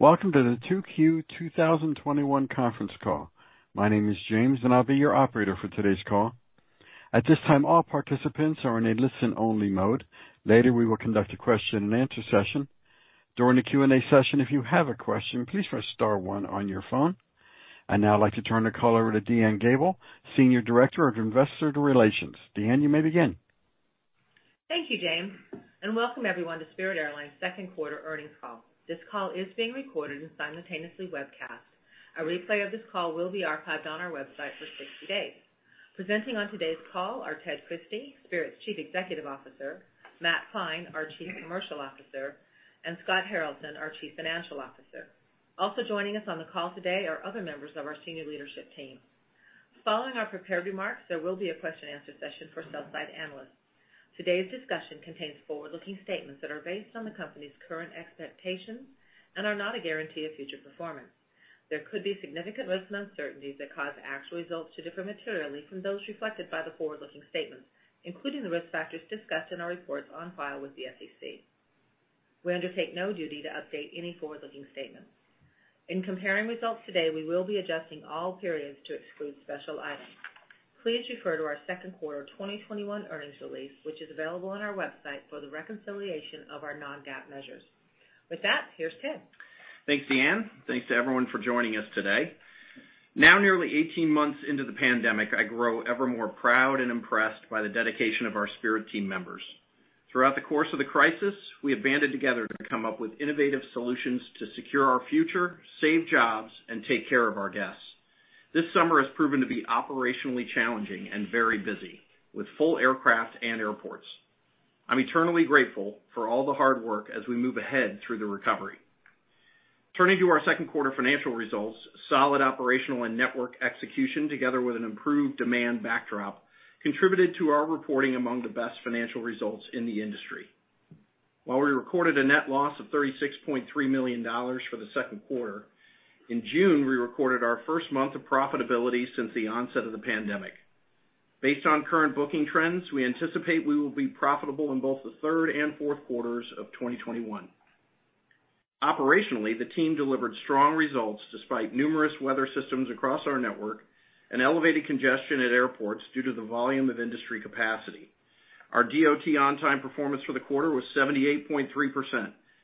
Welcome to the 2Q 2021 conference call. My name is James, and I'll be your operator for today's call. At this time, all participants are in a listen-only mode. Later, we will conduct a question and answer session. During the Q&A session, if you have a question, please press star one on your phone. I'd now like to turn the call over to DeAnne Gabel, Senior Director, Investor Relations. DeAnne, you may begin. Thank you, James, and welcome everyone to Spirit Airlines' second quarter earnings call. This call is being recorded and simultaneously webcast. A replay of this call will be archived on our website for 60 days. Presenting on today's call are Ted Christie, Spirit's Chief Executive Officer, Matt Klein, our Chief Commercial Officer, and Scott Haralson, our Chief Financial Officer. Also joining us on the call today are other members of our senior leadership team. Following our prepared remarks, there will be a question and answer session for sell-side analysts. Today's discussion contains forward-looking statements that are based on the company's current expectations and are not a guarantee of future performance. There could be significant risks and uncertainties that cause actual results to differ materially from those reflected by the forward-looking statements, including the risk factors discussed in our reports on file with the SEC. We undertake no duty to update any forward-looking statements. In comparing results today, we will be adjusting all periods to exclude special items. Please refer to our second quarter 2021 earnings release, which is available on our website for the reconciliation of our non-GAAP measures. With that, here's Ted. Thanks, DeAnne. Thanks to everyone for joining us today. Now, nearly 18 months into the pandemic, I grow ever more proud and impressed by the dedication of our Spirit team members. Throughout the course of the crisis, we have banded together to come up with innovative solutions to secure our future, save jobs, and take care of our guests. This summer has proven to be operationally challenging and very busy, with full aircraft and airports. I'm eternally grateful for all the hard work as we move ahead through the recovery. Turning to our second quarter financial results, solid operational and network execution, together with an improved demand backdrop, contributed to our reporting among the best financial results in the industry. While we recorded a net loss of $36.3 million for the second quarter, in June, we recorded our first month of profitability since the onset of the pandemic. Based on current booking trends, we anticipate we will be profitable in both the third and fourth quarters of 2021. Operationally, the team delivered strong results despite numerous weather systems across our network and elevated congestion at airports due to the volume of industry capacity. Our DOT on-time performance for the quarter was 78.3%,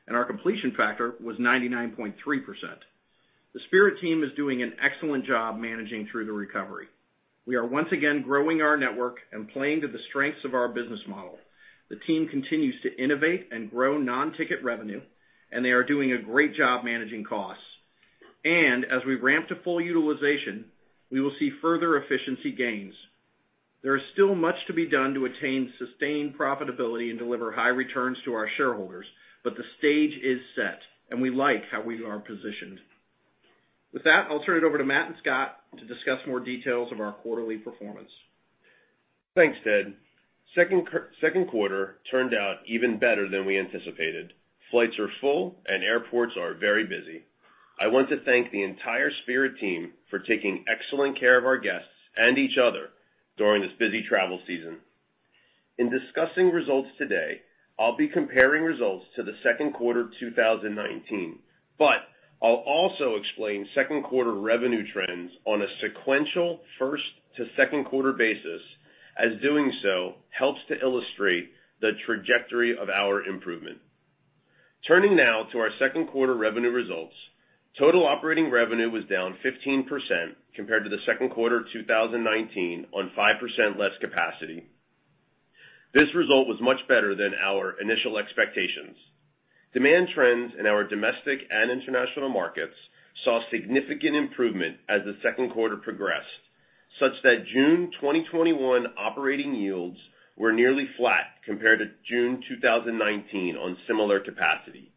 and our completion factor was 99.3%. The Spirit team is doing an excellent job managing through the recovery. We are once again growing our network and playing to the strengths of our business model. The team continues to innovate and grow non-ticket revenue, and they are doing a great job managing costs. As we ramp to full utilization, we will see further efficiency gains. There is still much to be done to attain sustained profitability and deliver high returns to our shareholders, but the stage is set, and we like how we are positioned. With that, I'll turn it over to Matt and Scott to discuss more details of our quarterly performance. Thanks, Ted. Second quarter turned out even better than we anticipated. Flights are full, and airports are very busy. I want to thank the entire Spirit team for taking excellent care of our guests and each other during this busy travel season. In discussing results today, I'll be comparing results to the second quarter of 2019, but I'll also explain second quarter revenue trends on a sequential first to second quarter basis, as doing so helps to illustrate the trajectory of our improvement. Turning now to our second quarter revenue results, total operating revenue was down 15% compared to the second quarter of 2019 on 5% less capacity. This result was much better than our initial expectations. Demand trends in our domestic and international markets saw significant improvement as the second quarter progressed, such that June 2021 operating yields were nearly flat compared to June 2019 on similar capacity.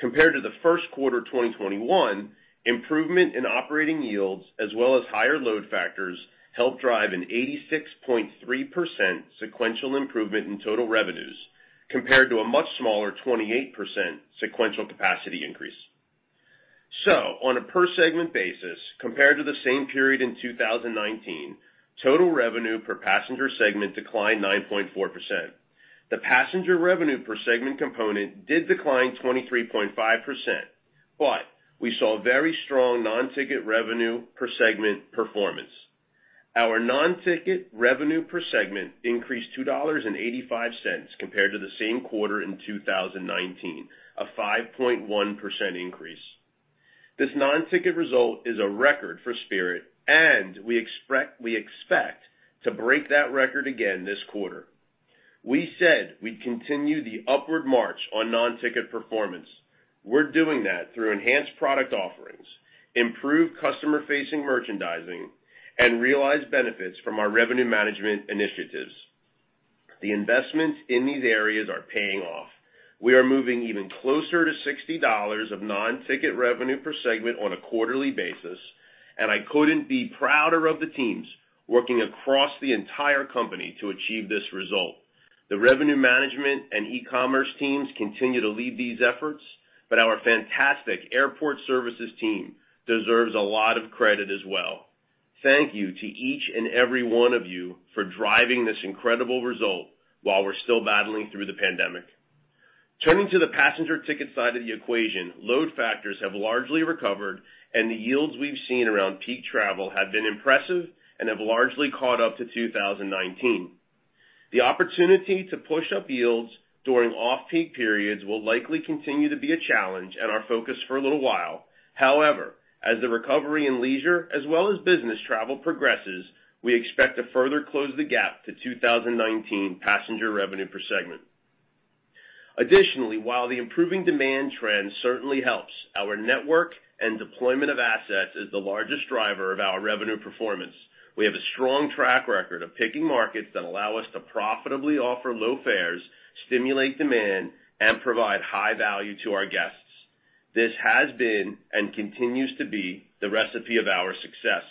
Compared to the first quarter 2021, improvement in operating yields as well as higher load factors helped drive an 86.3% sequential improvement in total revenues, compared to a much smaller 28% sequential capacity increase. On a per segment basis, compared to the same period in 2019, total revenue per passenger segment declined 9.4%. The passenger revenue per segment component did decline 23.5%, but we saw very strong non-ticket revenue per segment performance. Our non-ticket revenue per segment increased $2.85 compared to the same quarter in 2019, a 5.1% increase. This non-ticket result is a record for Spirit, and we expect to break that record again this quarter. We said we'd continue the upward march on non-ticket performance. We're doing that through enhanced product offerings, improved customer-facing merchandising, and realized benefits from our revenue management initiatives. The investments in these areas are paying off. We are moving even closer to $60 of non-ticket revenue per segment on a quarterly basis, and I couldn't be prouder of the teams working across the entire company to achieve this result. The revenue management and e-commerce teams continue to lead these efforts, but our fantastic airport services team deserves a lot of credit as well. Thank you to each and every one of you for driving this incredible result while we're still battling through the pandemic. Turning to the passenger ticket side of the equation, load factors have largely recovered and the yields we've seen around peak travel have been impressive and have largely caught up to 2019. The opportunity to push up yields during off-peak periods will likely continue to be a challenge and our focus for a little while. However, as the recovery in leisure as well as business travel progresses, we expect to further close the gap to 2019 passenger revenue per segment. Additionally, while the improving demand trend certainly helps, our network and deployment of assets is the largest driver of our revenue performance. We have a strong track record of picking markets that allow us to profitably offer low fares, stimulate demand, and provide high value to our guests. This has been and continues to be the recipe of our success.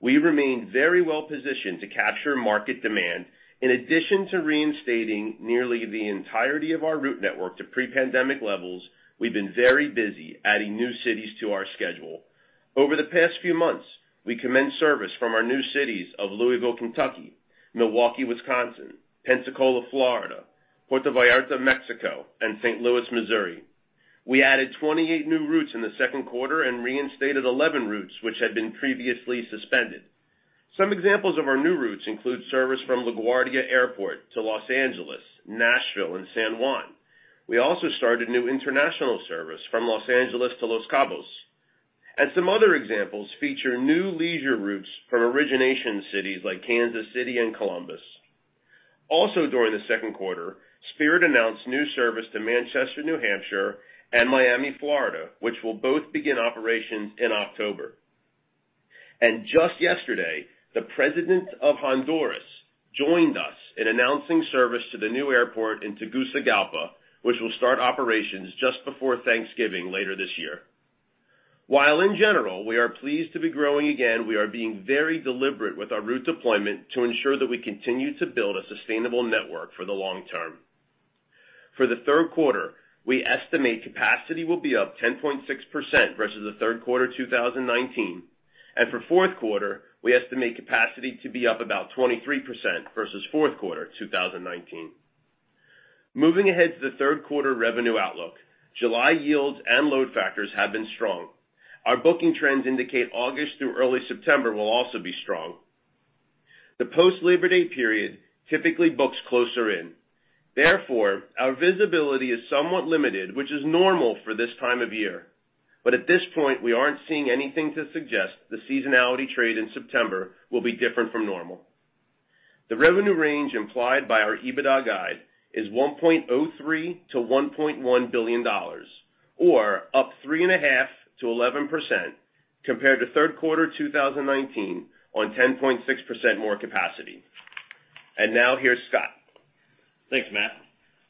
We remain very well-positioned to capture market demand. In addition to reinstating nearly the entirety of our route network to pre-pandemic levels, we've been very busy adding new cities to our schedule. Over the past few months, we commenced service from our new cities of Louisville, Kentucky, Milwaukee, Wisconsin, Pensacola, Florida, Puerto Vallarta, Mexico, and St. Louis, Missouri. We added 28 new routes in the second quarter and reinstated 11 routes which had been previously suspended. Some examples of our new routes include service from LaGuardia Airport to Los Angeles, Nashville, and San Juan. We also started new international service from Los Angeles to Los Cabos. Some other examples feature new leisure routes from origination cities like Kansas City and Columbus. Also during the second quarter, Spirit announced new service to Manchester, New Hampshire, and Miami, Florida, which will both begin operations in October. Just yesterday, the president of Honduras joined us in announcing service to the new airport in Tegucigalpa, which will start operations just before Thanksgiving later this year. While in general, we are pleased to be growing again, we are being very deliberate with our route deployment to ensure that we continue to build a sustainable network for the long term. For the third quarter, we estimate capacity will be up 10.6% versus the third quarter 2019. For fourth quarter, we estimate capacity to be up about 23% versus fourth quarter 2019. Moving ahead to the third quarter revenue outlook, July yields and load factors have been strong. Our booking trends indicate August through early September will also be strong. The post-Labor Day period typically books closer in. Therefore, our visibility is somewhat limited, which is normal for this time of year. At this point, we aren't seeing anything to suggest the seasonality trade in September will be different from normal. The revenue range implied by our EBITDA guide is $1.03 billion-$1.1 billion, or up 3.5%-11% compared to third quarter 2019 on 10.6% more capacity. Now here's Scott. Thanks, Matt.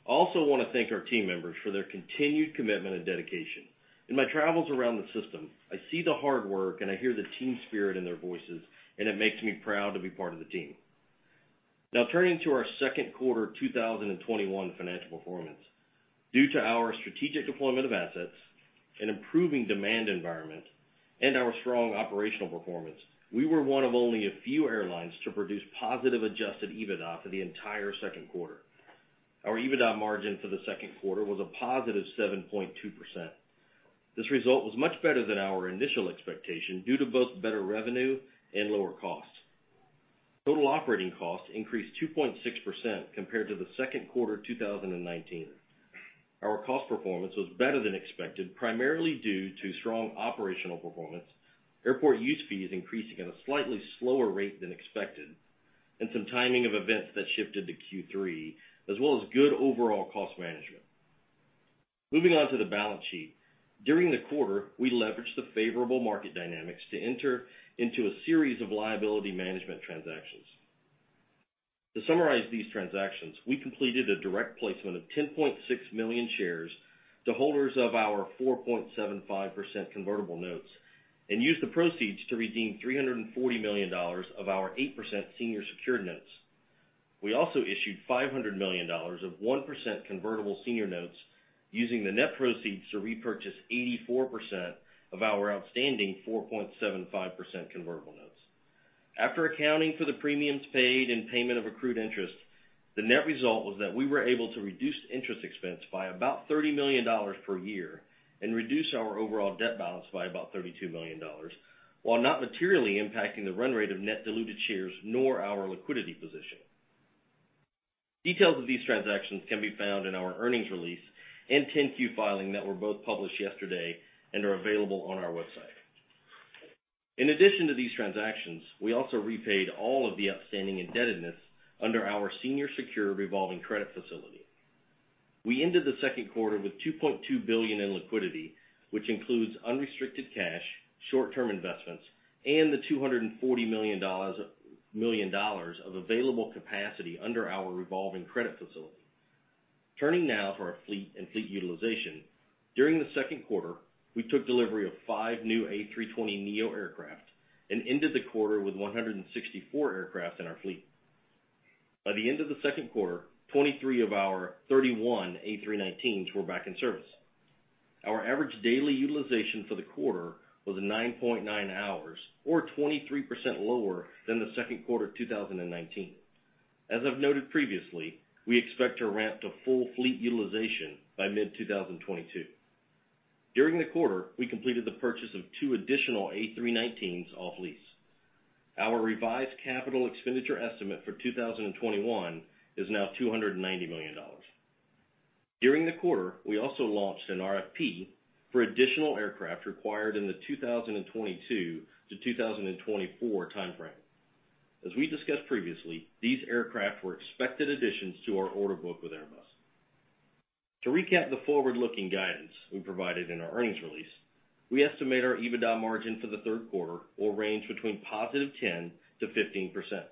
I also want to thank our team members for their continued commitment and dedication. In my travels around the system, I see the hard work and I hear the team spirit in their voices, and it makes me proud to be part of the team. Now turning to our second quarter 2021 financial performance. Due to our strategic deployment of assets, an improving demand environment, and our strong operational performance, we were one of only a few airlines to produce positive adjusted EBITDA for the entire second quarter. Our EBITDA margin for the second quarter was a +7.2%. This result was much better than our initial expectation due to both better revenue and lower costs. Total operating costs increased 2.6% compared to the second quarter 2019. Our cost performance was better than expected, primarily due to strong operational performance, airport use fees increasing at a slightly slower rate than expected, and some timing of events that shifted to Q3, as well as good overall cost management. Moving on to the balance sheet. During the quarter, we leveraged the favorable market dynamics to enter into a series of liability management transactions. To summarize these transactions, we completed a direct placement of 10.6 million shares to holders of our 4.75% convertible notes and used the proceeds to redeem $340 million of our 8% senior secured notes. We also issued $500 million of 1% convertible senior notes using the net proceeds to repurchase 84% of our outstanding 4.75% convertible notes. After accounting for the premiums paid and payment of accrued interest, the net result was that we were able to reduce interest expense by about $30 million per year and reduce our overall debt balance by about $32 million, while not materially impacting the run rate of net diluted shares nor our liquidity position. Details of these transactions can be found in our earnings release and 10-Q filing that were both published yesterday and are available on our website. In addition to these transactions, we also repaid all of the outstanding indebtedness under our senior secure revolving credit facility. We ended the second quarter with $2.2 billion in liquidity, which includes unrestricted cash, short-term investments, and the $240 million of available capacity under our revolving credit facility. Turning now to our fleet and fleet utilization. During the second quarter, we took delivery of five new A320neo aircraft and ended the quarter with 164 aircraft in our fleet. By the end of the second quarter, 23 of our 31 A319s were back in service. Our average daily utilization for the quarter was 9.9 hours, or 23% lower than the second quarter of 2019. As I've noted previously, we expect to ramp to full fleet utilization by mid-2022. During the quarter, we completed the purchase of two additional A319s off lease. Our revised capital expenditure estimate for 2021 is now $290 million. During the quarter, we also launched an RFP for additional aircraft required in the 2022 to 2024 timeframe. As we discussed previously, these aircraft were expected additions to our order book with Airbus. To recap the forward-looking guidance we provided in our earnings release, we estimate our EBITDA margin for the third quarter will range between +10% to +15%.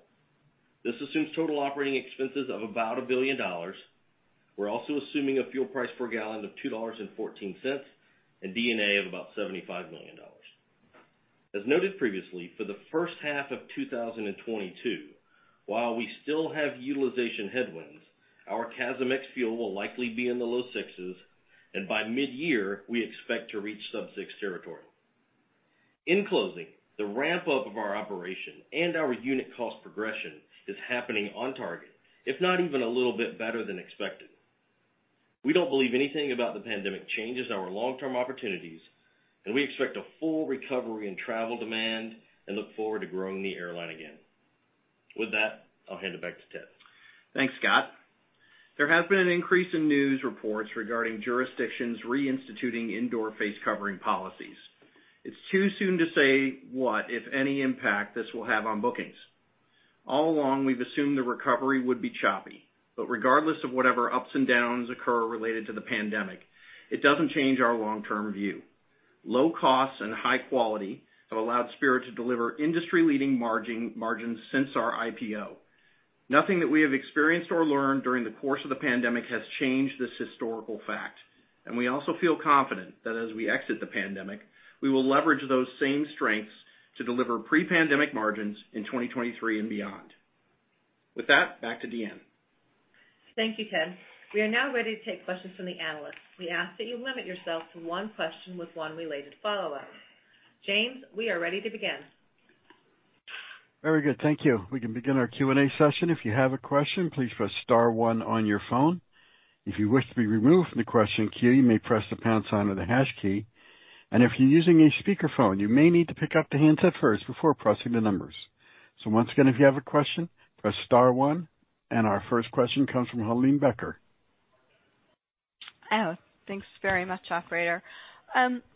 This assumes total operating expenses of about $1 billion. We're also assuming a fuel price per gallon of $2.14 and D&A of about $75 million. As noted previously, for the first half of 2022, while we still have utilization headwinds, our CASM ex fuel will likely be in the low sixes, and by mid-year, we expect to reach sub six territory. In closing, the ramp-up of our operation and our unit cost progression is happening on target, if not even a little bit better than expected. We don't believe anything about the pandemic changes our long-term opportunities, and we expect a full recovery in travel demand and look forward to growing the airline again. With that, I'll hand it back to Ted. Thanks, Scott. There has been an increase in news reports regarding jurisdictions reinstituting indoor face covering policies. It's too soon to say what, if any, impact this will have on bookings. All along, we've assumed the recovery would be choppy, but regardless of whatever ups and downs occur related to the pandemic, it doesn't change our long-term view. Low costs and high quality have allowed Spirit to deliver industry-leading margins since our IPO. Nothing that we have experienced or learned during the course of the pandemic has changed this historical fact, and we also feel confident that as we exit the pandemic, we will leverage those same strengths to deliver pre-pandemic margins in 2023 and beyond. With that, back to DeAnne. Thank you, Ted. We are now ready to take questions from the analysts. We ask that you limit yourself to one question with one related follow-up. James, we are ready to begin. Very good. Thank you. We can begin our Q&A session. If you have a question, please press star one on your phone. If you wish to be removed from the question queue, you may press the pound sign or the hash key, and if you're using a speakerphone, you may need to pick up the handset first before pressing the numbers. Once again, if you have a question, press star one. Our first question comes from Helane Becker. Oh, thanks very much, operator.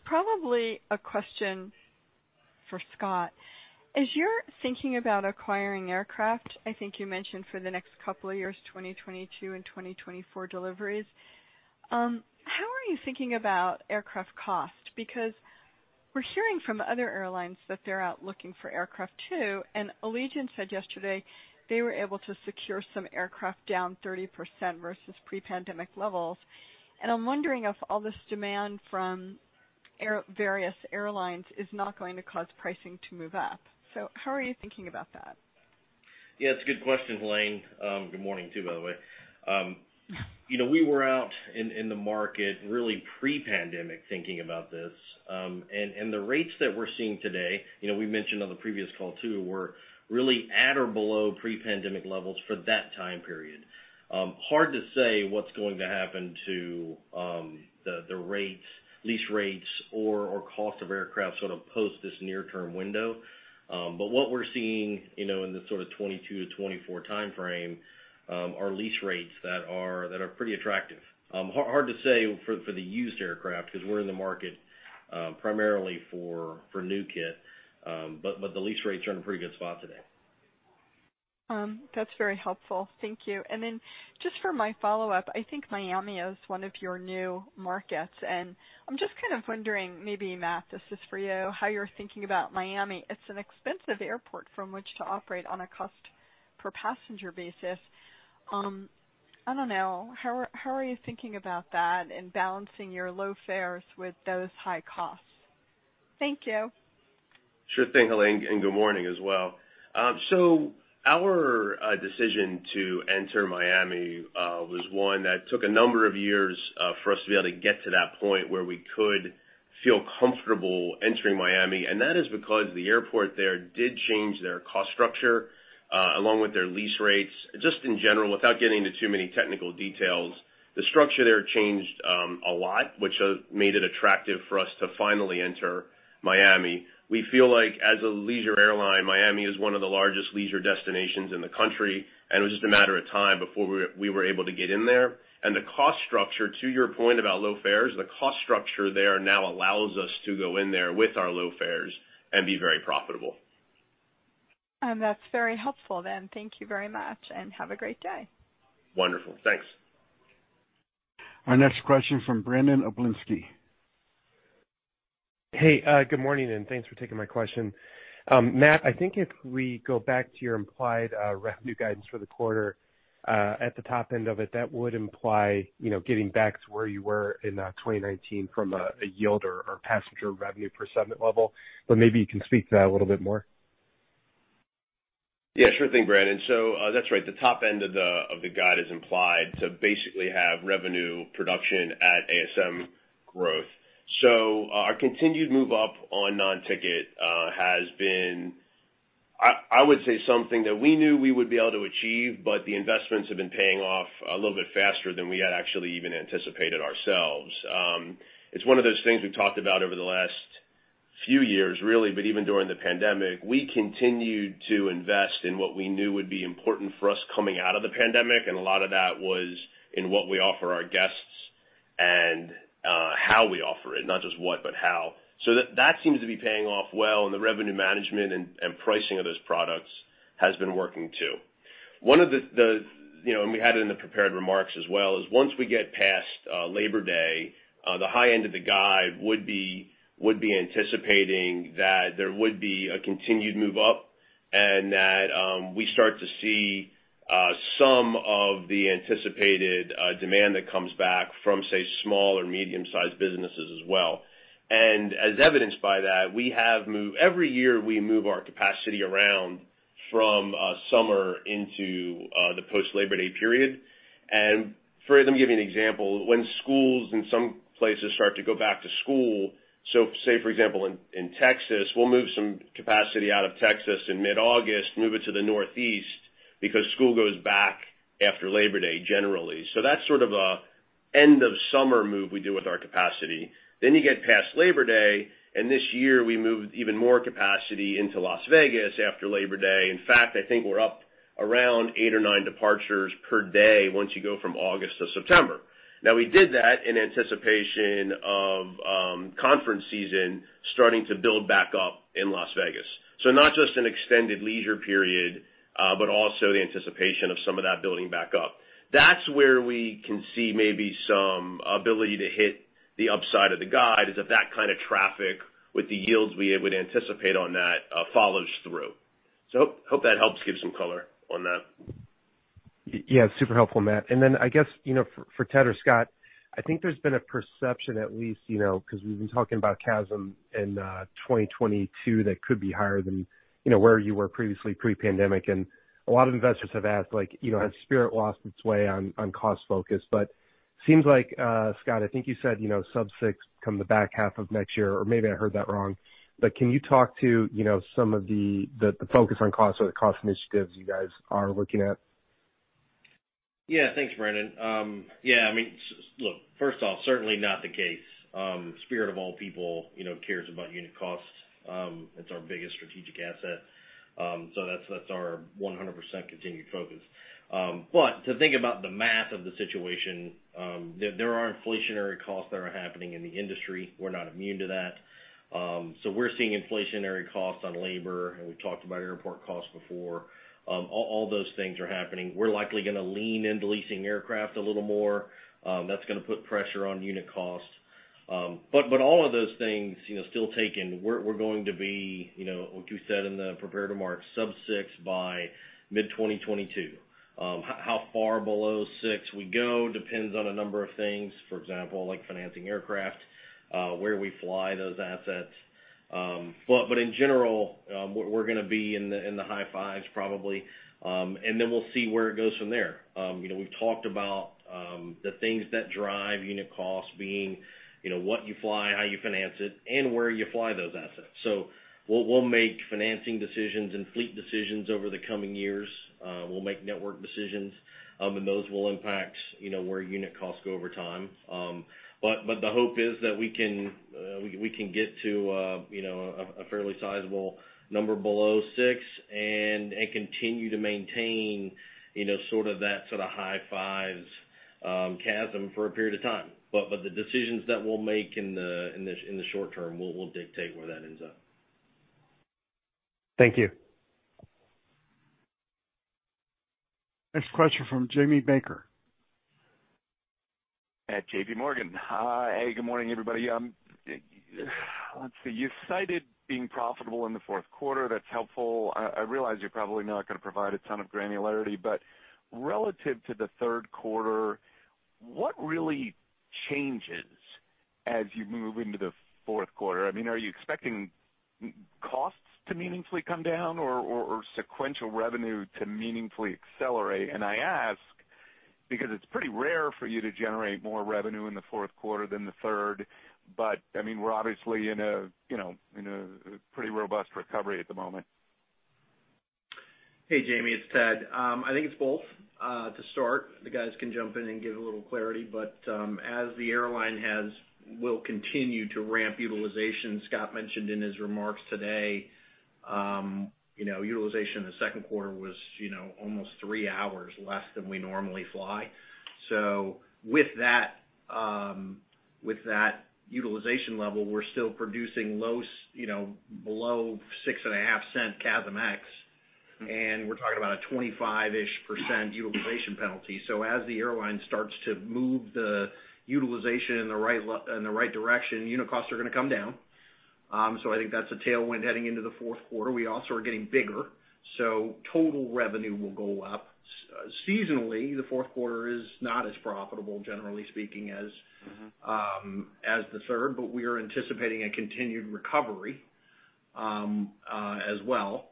Probably a question for Scott. As you're thinking about acquiring aircraft, I think you mentioned for the next couple of years, 2022 and 2024 deliveries, how are you thinking about aircraft cost? Because we're hearing from other airlines that they're out looking for aircraft too, and Allegiant said yesterday they were able to secure some aircraft down 30% versus pre-pandemic levels, and I'm wondering if all this demand from various airlines is not going to cause pricing to move up. How are you thinking about that? Yeah, it's a good question, Helane. Good morning too, by the way. We were out in the market really pre-pandemic thinking about this, the rates that we're seeing today, we mentioned on the previous call too, were really at or below pre-pandemic levels for that time period. Hard to say what's going to happen to the lease rates or cost of aircraft sort of post this near-term window. What we're seeing in the sort of 2022 to 2024 timeframe are lease rates that are pretty attractive. Hard to say for the used aircraft because we're in the market primarily for new kit, but the lease rates are in a pretty good spot today. That's very helpful. Thank you. Then just for my follow-up, I think Miami is one of your new markets, and I'm just kind of wondering, maybe Matt, this is for you, how you're thinking about Miami. It's an expensive airport from which to operate on a cost per passenger basis. I don't know, how are you thinking about that and balancing your low fares with those high costs? Thank you. Sure thing, Helane. Good morning as well. Our decision to enter Miami was one that took a number of years for us to be able to get to that point where we could feel comfortable entering Miami. That is because the airport there did change their cost structure along with their lease rates. Just in general, without getting into too many technical details, the structure there changed a lot, which made it attractive for us to finally enter Miami. We feel like as a leisure airline, Miami is one of the largest leisure destinations in the country. It was just a matter of time before we were able to get in there. The cost structure, to your point about low fares, the cost structure there now allows us to go in there with our low fares and be very profitable. That's very helpful then. Thank you very much, and have a great day. Wonderful. Thanks. Our next question from Brandon Oglenski. Hey, good morning, and thanks for taking my question. Matt, I think if we go back to your implied revenue guidance for the quarter, at the top end of it, that would imply getting back to where you were in 2019 from a yield or passenger revenue per segment level. Maybe you can speak to that a little bit more. Yeah, sure thing, Brandon. That's right, the top end of the guide is implied to basically have revenue production at ASM growth. Our continued move up on non-ticket has been, I would say, something that we knew we would be able to achieve, but the investments have been paying off a little bit faster than we had actually even anticipated ourselves. It's one of those things we've talked about over the last few years, really, but even during the pandemic, we continued to invest in what we knew would be important for us coming out of the pandemic. A lot of that was in what we offer our guests and how we offer it, not just what, but how. That seems to be paying off well, and the revenue management and pricing of those products has been working, too. We had it in the prepared remarks as well, is once we get past Labor Day, the high end of the guide would be anticipating that there would be a continued move up, and that we start to see some of the anticipated demand that comes back from, say, small or medium-sized businesses as well. As evidenced by that, every year, we move our capacity around from summer into the post-Labor Day period. Let me give you an example. When schools in some places start to go back to school, so say, for example, in Texas, we'll move some capacity out of Texas in mid-August, move it to the Northeast because school goes back after Labor Day, generally. That's sort of an end of summer move we do with our capacity. You get past Labor Day, and this year, we moved even more capacity into Las Vegas after Labor Day. In fact, I think we're up around eight or nine departures per day once you go from August to September. We did that in anticipation of conference season starting to build back up in Las Vegas. Not just an extended leisure period, but also the anticipation of some of that building back up. That's where we can see maybe some ability to hit the upside of the guide, is if that kind of traffic with the yields we would anticipate on that follows through. Hope that helps give some color on that. Super helpful, Matt. I guess, for Ted or Scott, I think there's been a perception at least, because we've been talking about CASM in 2022 that could be higher than where you were previously pre-pandemic. A lot of investors have asked, like, has Spirit lost its way on cost focus? Seems like, Scott, I think you said sub six come the back half of next year, or maybe I heard that wrong. Can you talk to some of the focus on cost or the cost initiatives you guys are working at? Yeah. Thanks, Brandon. Yeah, look, first off, certainly not the case. Spirit of all people cares about unit costs. It's our biggest strategic asset. That's our 100% continued focus. To think about the math of the situation, there are inflationary costs that are happening in the industry. We're not immune to that. We're seeing inflationary costs on labor, and we've talked about airport costs before. All those things are happening. We're likely going to lean into leasing aircraft a little more. That's going to put pressure on unit costs. All of those things still taken, we're going to be, like you said in the prepared remarks, sub six by mid-2022. How far below six we go depends on a number of things. For example, like financing aircraft, where we fly those assets. In general, we're going to be in the high fives probably, and then we'll see where it goes from there. We've talked about the things that drive unit costs being what you fly, how you finance it, and where you fly those assets. We'll make financing decisions and fleet decisions over the coming years. We'll make network decisions, and those will impact where unit costs go over time. The hope is that we can get to a fairly sizable number below six and continue to maintain that sort of high fives CASM for a period of time. The decisions that we'll make in the short term will dictate where that ends up. Thank you. Next question from Jamie Baker. At JPMorgan. Hi. Good morning, everybody. Let's see. You cited being profitable in the fourth quarter. That's helpful. I realize you're probably not going to provide a ton of granularity, but relative to the third quarter, what really changes as you move into the fourth quarter? Are you expecting costs to meaningfully come down or sequential revenue to meaningfully accelerate? I ask because it's pretty rare for you to generate more revenue in the fourth quarter than the third. We're obviously in a pretty robust recovery at the moment. Hey, Jamie, it's Ted. I think it's both to start. The guys can jump in and give a little clarity, as the airline will continue to ramp utilization, Scott mentioned in his remarks today, utilization in the second quarter was almost three hours less than we normally fly. With that utilization level, we're still producing below $0.065 CASM ex, and we're talking about a 25-ish% utilization penalty. As the airline starts to move the utilization in the right direction, unit costs are going to come down. I think that's a tailwind heading into the fourth quarter. We also are getting bigger, so total revenue will go up. Seasonally, the fourth quarter is not as profitable, generally speaking, as, as the third, but we are anticipating a continued recovery as well.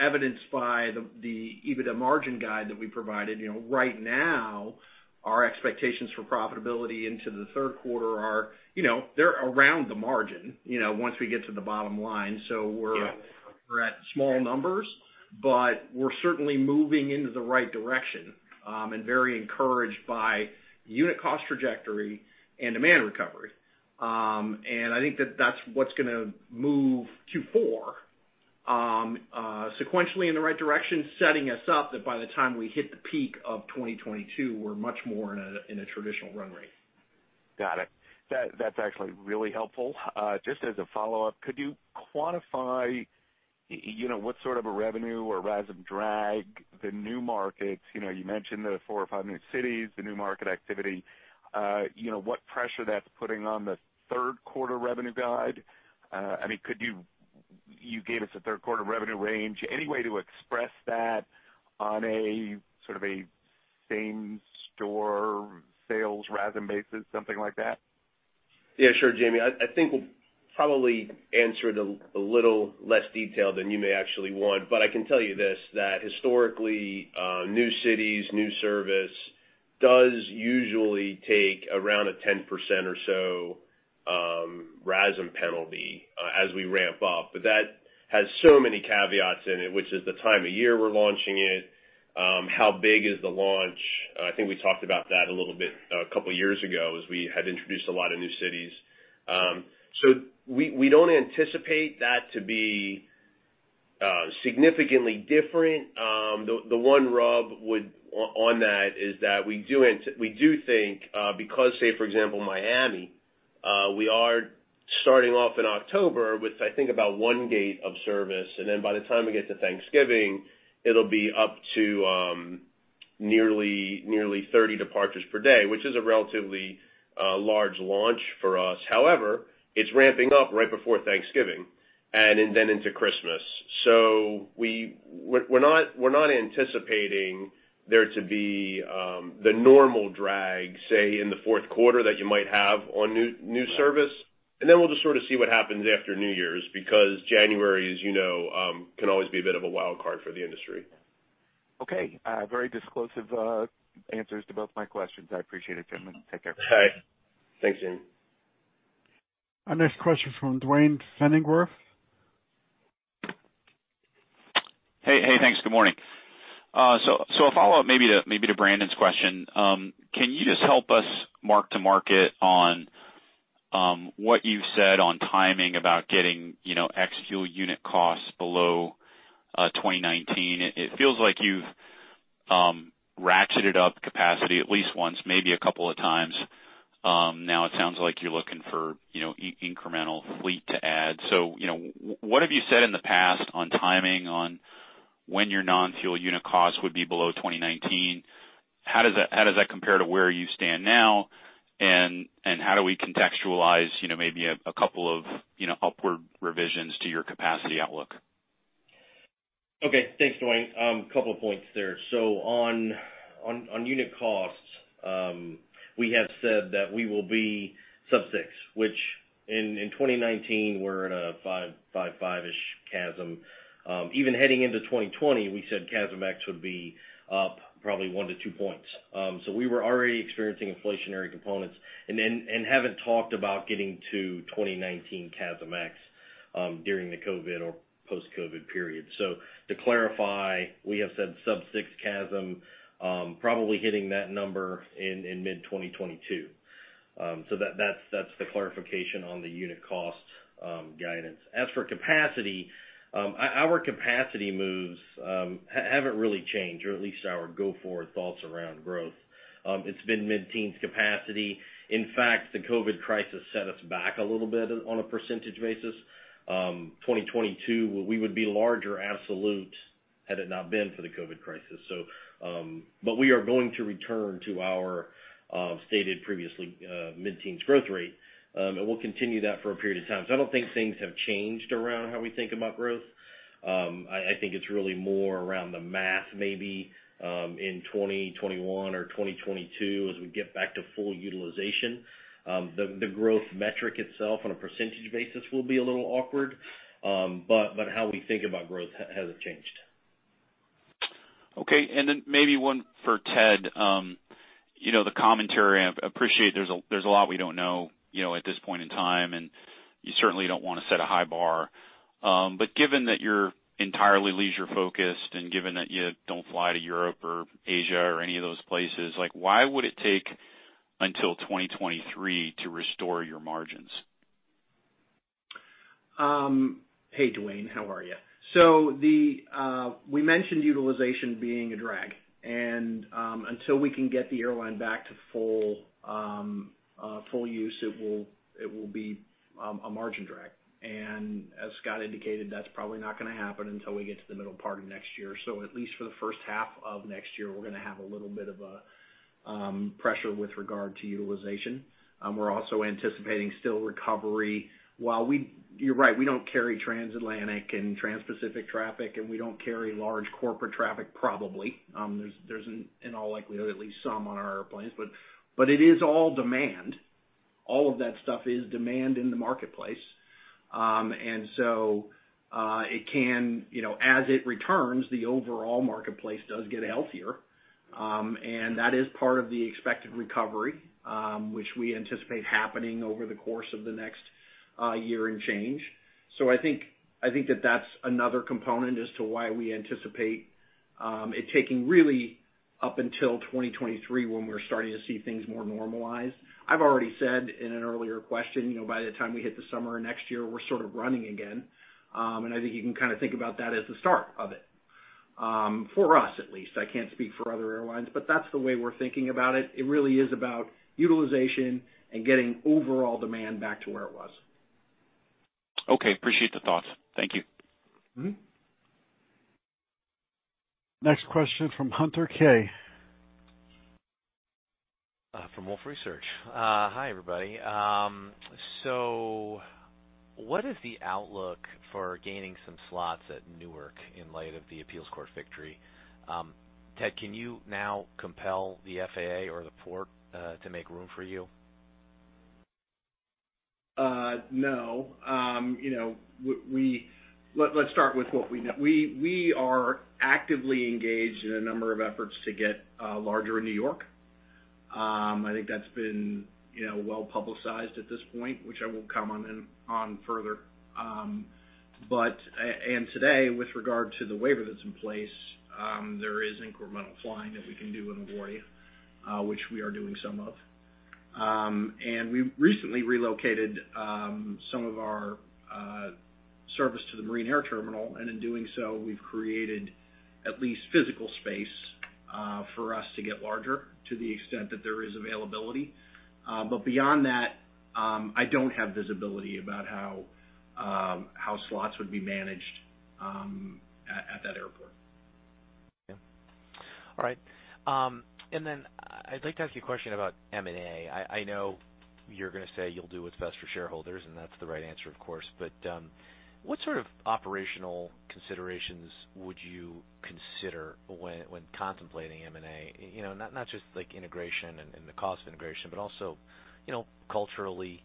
Evidenced by the EBITDA margin guide that we provided, right now our expectations for profitability into the third quarter are around the margin, once we get to the bottom line. Yeah. We're at small numbers, but we're certainly moving into the right direction, and very encouraged by unit cost trajectory and demand recovery. I think that that's what's going to move Q4 sequentially in the right direction, setting us up that by the time we hit the peak of 2022, we're much more in a traditional run rate. Got it. That's actually really helpful. Just as a follow-up, could you quantify what sort of a revenue or RASM drag the new markets, you mentioned the four or five new cities, the new market activity, what pressure that's putting on the third quarter revenue guide? You gave us a third quarter revenue range. Any way to express that on a same store sales, RASM basis, something like that? Yeah, sure, Jamie. I think we'll probably answer it in a little less detail than you may actually want. I can tell you this, that historically, new cities, new service, does usually take around a 10% or so RASM penalty as we ramp up. That has so many caveats in it, which is the time of year we're launching it, how big is the launch. I think we talked about that a little bit a couple of years ago as we had introduced a lot of new cities. We don't anticipate that to be significantly different. The one rub on that is that we do think, because, say for example, Miami, we are starting off in October with, I think, about one gate of service, and then by the time we get to Thanksgiving, it'll be up to nearly 30 departures per day, which is a relatively large launch for us. It's ramping up right before Thanksgiving and then into Christmas. We're not anticipating there to be the normal drag, say, in the fourth quarter that you might have on new service. Then we'll just sort of see what happens after New Year's, because January, as you know, can always be a bit of a wild card for the industry. Okay. Very disclosive answers to both my questions. I appreciate it, gentlemen. Take care. Bye. Thanks, Jamie. Our next question from Duane Pfennigwerth. Hey, thanks. Good morning. A follow-up maybe to Brandon's question. Can you just help us mark-to-market on what you've said on timing about getting ex-fuel unit costs below 2019? It feels like you've ratcheted up capacity at least once, maybe a couple of times. Now it sounds like you're looking for incremental fleet to add. What have you said in the past on timing on when your non-fuel unit cost would be below 2019? How does that compare to where you stand now? How do we contextualize maybe a couple of upward revisions to your capacity outlook? Okay. Thanks, Duane. A couple of points there. On unit costs, we have said that we will be sub six, which in 2019, we're in a fiveish CASM. Even heading into 2020, we said CASM ex would be up probably 1-2 points. We were already experiencing inflationary components and haven't talked about getting to 2019 CASM ex during the COVID or post-COVID period. To clarify, we have said sub six CASM, probably hitting that number in mid 2022. That's the clarification on the unit cost guidance. As for capacity, our capacity moves haven't really changed, or at least our go-forward thoughts around growth. It's been mid-teens capacity. In fact, the COVID crisis set us back a little bit on a percentage basis. 2022, we would be larger absolute had it not been for the COVID crisis. We are going to return to our stated previously mid-teens growth rate. We'll continue that for a period of time. I don't think things have changed around how we think about growth. I think it's really more around the math maybe, in 2021 or 2022 as we get back to full utilization. The growth metric itself on a percentage basis will be a little awkward. How we think about growth hasn't changed. Okay, maybe one for Ted. The commentary, I appreciate there's a lot we don't know at this point in time, you certainly don't want to set a high bar. Given that you're entirely leisure-focused and given that you don't fly to Europe or Asia or any of those places, why would it take until 2023 to restore your margins? Hey, Duane, how are you? We mentioned utilization being a drag, and until we can get the airline back to full use, it will be a margin drag. As Scott indicated, that's probably not going to happen until we get to the middle part of next year. At least for the first half of next year, we're going to have a little bit of a pressure with regard to utilization. We're also anticipating still recovery while you're right, we don't carry transatlantic and transpacific traffic, and we don't carry large corporate traffic, probably. There's, in all likelihood, at least some on our airplanes. It is all demand. All of that stuff is demand in the marketplace. As it returns, the overall marketplace does get healthier. That is part of the expected recovery, which we anticipate happening over the course of the next year and change. I think that's another component as to why we anticipate it taking really up until 2023, when we're starting to see things more normalized. I've already said in an earlier question, by the time we hit the summer of next year, we're sort of running again. I think you can kind of think about that as the start of it. For us, at least, I can't speak for other airlines, but that's the way we're thinking about it. It really is about utilization and getting overall demand back to where it was. Okay. Appreciate the thoughts. Thank you. Next question from Hunter Keay. From Wolfe Research. Hi, everybody. What is the outlook for gaining some slots at Newark in light of the appeals court victory? Ted, can you now compel the FAA or the Port to make room for you? No. Let's start with what we know. We are actively engaged in a number of efforts to get larger in New York. I think that's been well-publicized at this point, which I will comment on further. Today, with regard to the waiver that's in place, there is incremental flying that we can do in LaGuardia, which we are doing some of. We recently relocated some of our service to the Marine Air Terminal, and in doing so, we've created at least physical space for us to get larger to the extent that there is availability. Beyond that, I don't have visibility about how slots would be managed at that airport. Okay. All right. I'd like to ask you a question about M&A. I know you're going to say you'll do what's best for shareholders, and that's the right answer, of course, but what sort of operational considerations would you consider when contemplating M&A? Not just integration and the cost of integration, but also culturally,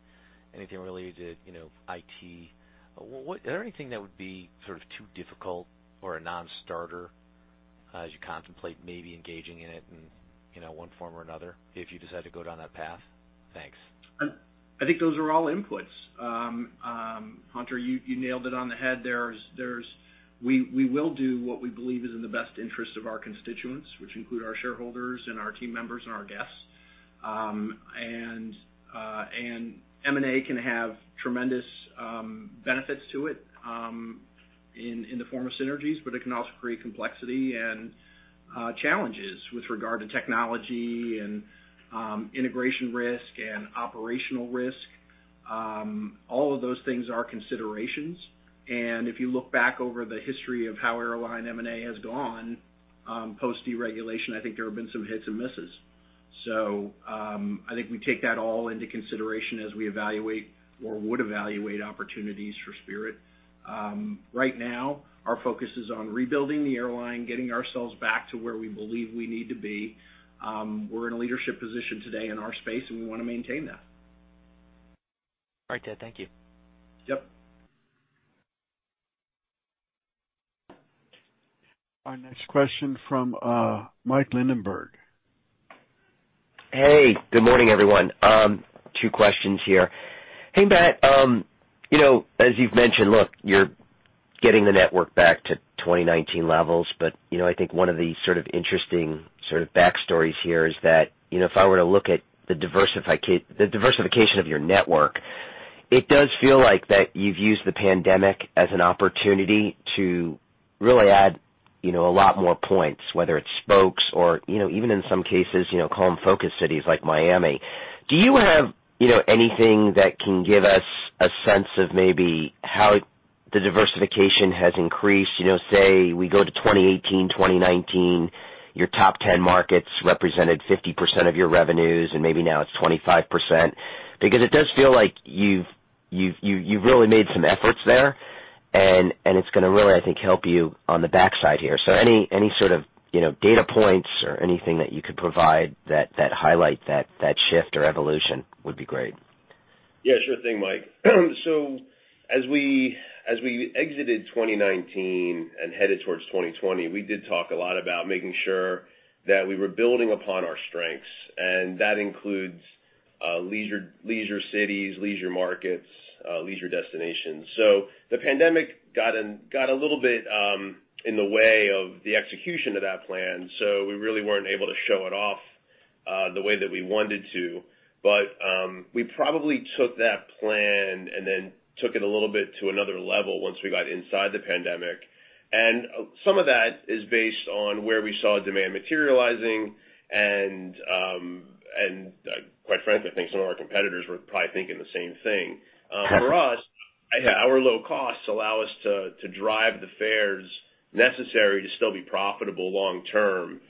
anything related, IT. Is there anything that would be sort of too difficult or a non-starter as you contemplate maybe engaging in it in one form or another if you decide to go down that path? Thanks. I think those are all inputs. Hunter, you nailed it on the head. We will do what we believe is in the best interest of our constituents, which include our shareholders and our team members and our guests. M&A can have tremendous benefits to it in the form of synergies, but it can also create complexity and challenges with regard to technology and integration risk and operational risk. All of those things are considerations, and if you look back over the history of how airline M&A has gone post deregulation, I think there have been some hits and misses. I think we take that all into consideration as we evaluate or would evaluate opportunities for Spirit. Right now, our focus is on rebuilding the airline, getting ourselves back to where we believe we need to be. We're in a leadership position today in our space, and we want to maintain that. All right, Ted, thank you. Yep. Our next question from Mike Linenberg. Hey, good morning, everyone. Two questions here. Hey, Matt. As you've mentioned, look, you're getting the network back to 2019 levels, but I think one of the sort of interesting sort of backstories here is that, if I were to look at the diversification of your network, it does feel like that you've used the pandemic as an opportunity to really add a lot more points, whether it's spokes or even in some cases, call them focus cities like Miami. Do you have anything that can give us a sense of maybe how the diversification has increased? Say we go to 2018, 2019, your top 10 markets represented 50% of your revenues, and maybe now it's 25%. It does feel like you've really made some efforts there, and it's going to really, I think, help you on the backside here. Any sort of data points or anything that you could provide that highlight that shift or evolution would be great. Yeah, sure thing, Mike. As we exited 2019 and headed towards 2020, we did talk a lot about making sure that we were building upon our strengths, and that includes leisure cities, leisure markets, leisure destinations. The pandemic got a little bit in the way of the execution of that plan, so we really weren't able to show it off the way that we wanted to. We probably took that plan and then took it a little bit to another level once we got inside the pandemic. Some of that is based on where we saw demand materializing, and quite frankly, I think some of our competitors were probably thinking the same thing. For us- yeah. Our low costs allow us to drive the fares necessary to still be profitable long term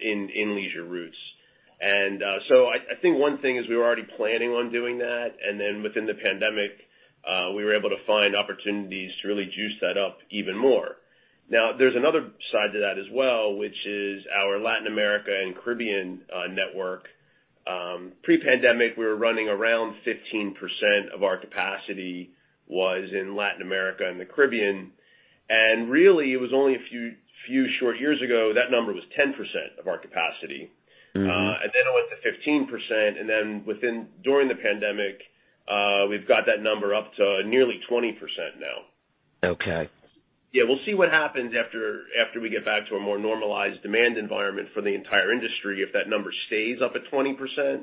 in leisure routes. I think one thing is we were already planning on doing that, within the pandemic, we were able to find opportunities to really juice that up even more. There's another side to that as well, which is our Latin America and Caribbean network. Pre-pandemic, we were running around 15% of our capacity was in Latin America and the Caribbean. It was only a few short years ago, that number was 10% of our capacity. It went to 15%, and then during the pandemic, we've got that number up to nearly 20% now. Okay. We'll see what happens after we get back to a more normalized demand environment for the entire industry, if that number stays up at 20%.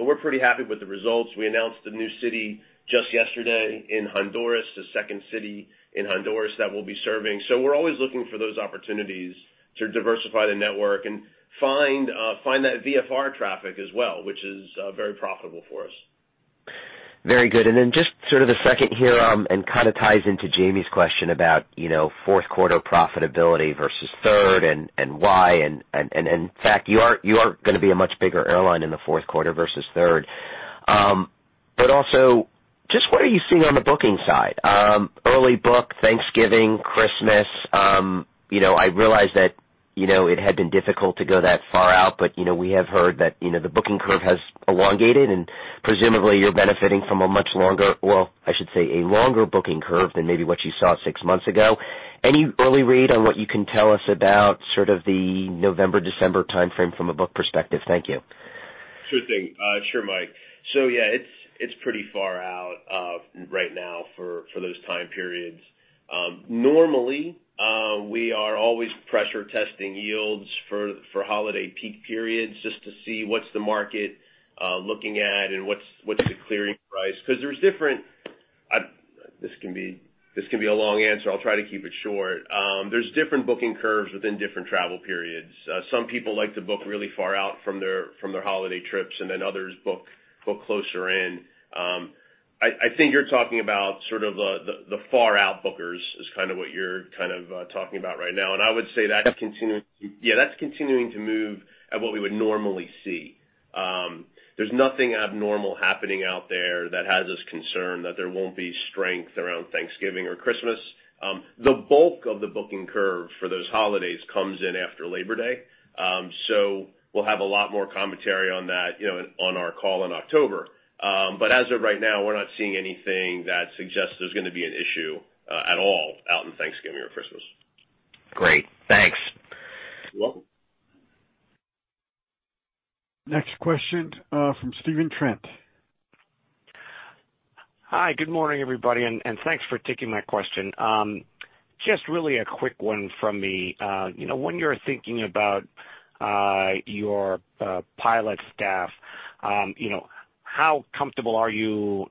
We're pretty happy with the results. We announced a new city just yesterday in Honduras, the second city in Honduras that we'll be serving. We're always looking for those opportunities to diversify the network and find that VFR traffic as well, which is very profitable for us. Very good. Just sort of the second here, and kind of ties into Jamie's question about fourth quarter profitability versus third and why, and in fact, you are going to be a much bigger airline in the fourth quarter versus third. Also, just what are you seeing on the booking side? Early book, Thanksgiving, Christmas. I realize that it had been difficult to go that far out, but we have heard that the booking curve has elongated, and presumably you're benefiting from a much longer, well, I should say a longer booking curve than maybe what you saw six months ago. Any early read on what you can tell us about sort of the November, December timeframe from a book perspective? Thank you. Sure thing. Sure, Mike. Yeah, it's pretty far out right now for those time periods. Normally, we are always pressure testing yields for holiday peak periods just to see what's the market looking at and what's the clearing price because This can be a long answer. I'll try to keep it short. There's different booking curves within different travel periods. Some people like to book really far out from their holiday trips, then others book closer in. I think you're talking about sort of the far out bookers is kind of what you're kind of talking about right now. I would say that's continuing to move at what we would normally see. There's nothing abnormal happening out there that has us concerned that there won't be strength around Thanksgiving or Christmas. The bulk of the booking curve for those holidays comes in after Labor Day. We'll have a lot more commentary on that on our call in October. As of right now, we're not seeing anything that suggests there's going to be an issue at all out in Thanksgiving or Christmas. Great. Thanks. You're welcome. Next question from Stephen Trent. Hi. Good morning, everybody, and thanks for taking my question. Just really a quick one from me. When you're thinking about your pilot staff, how comfortable are you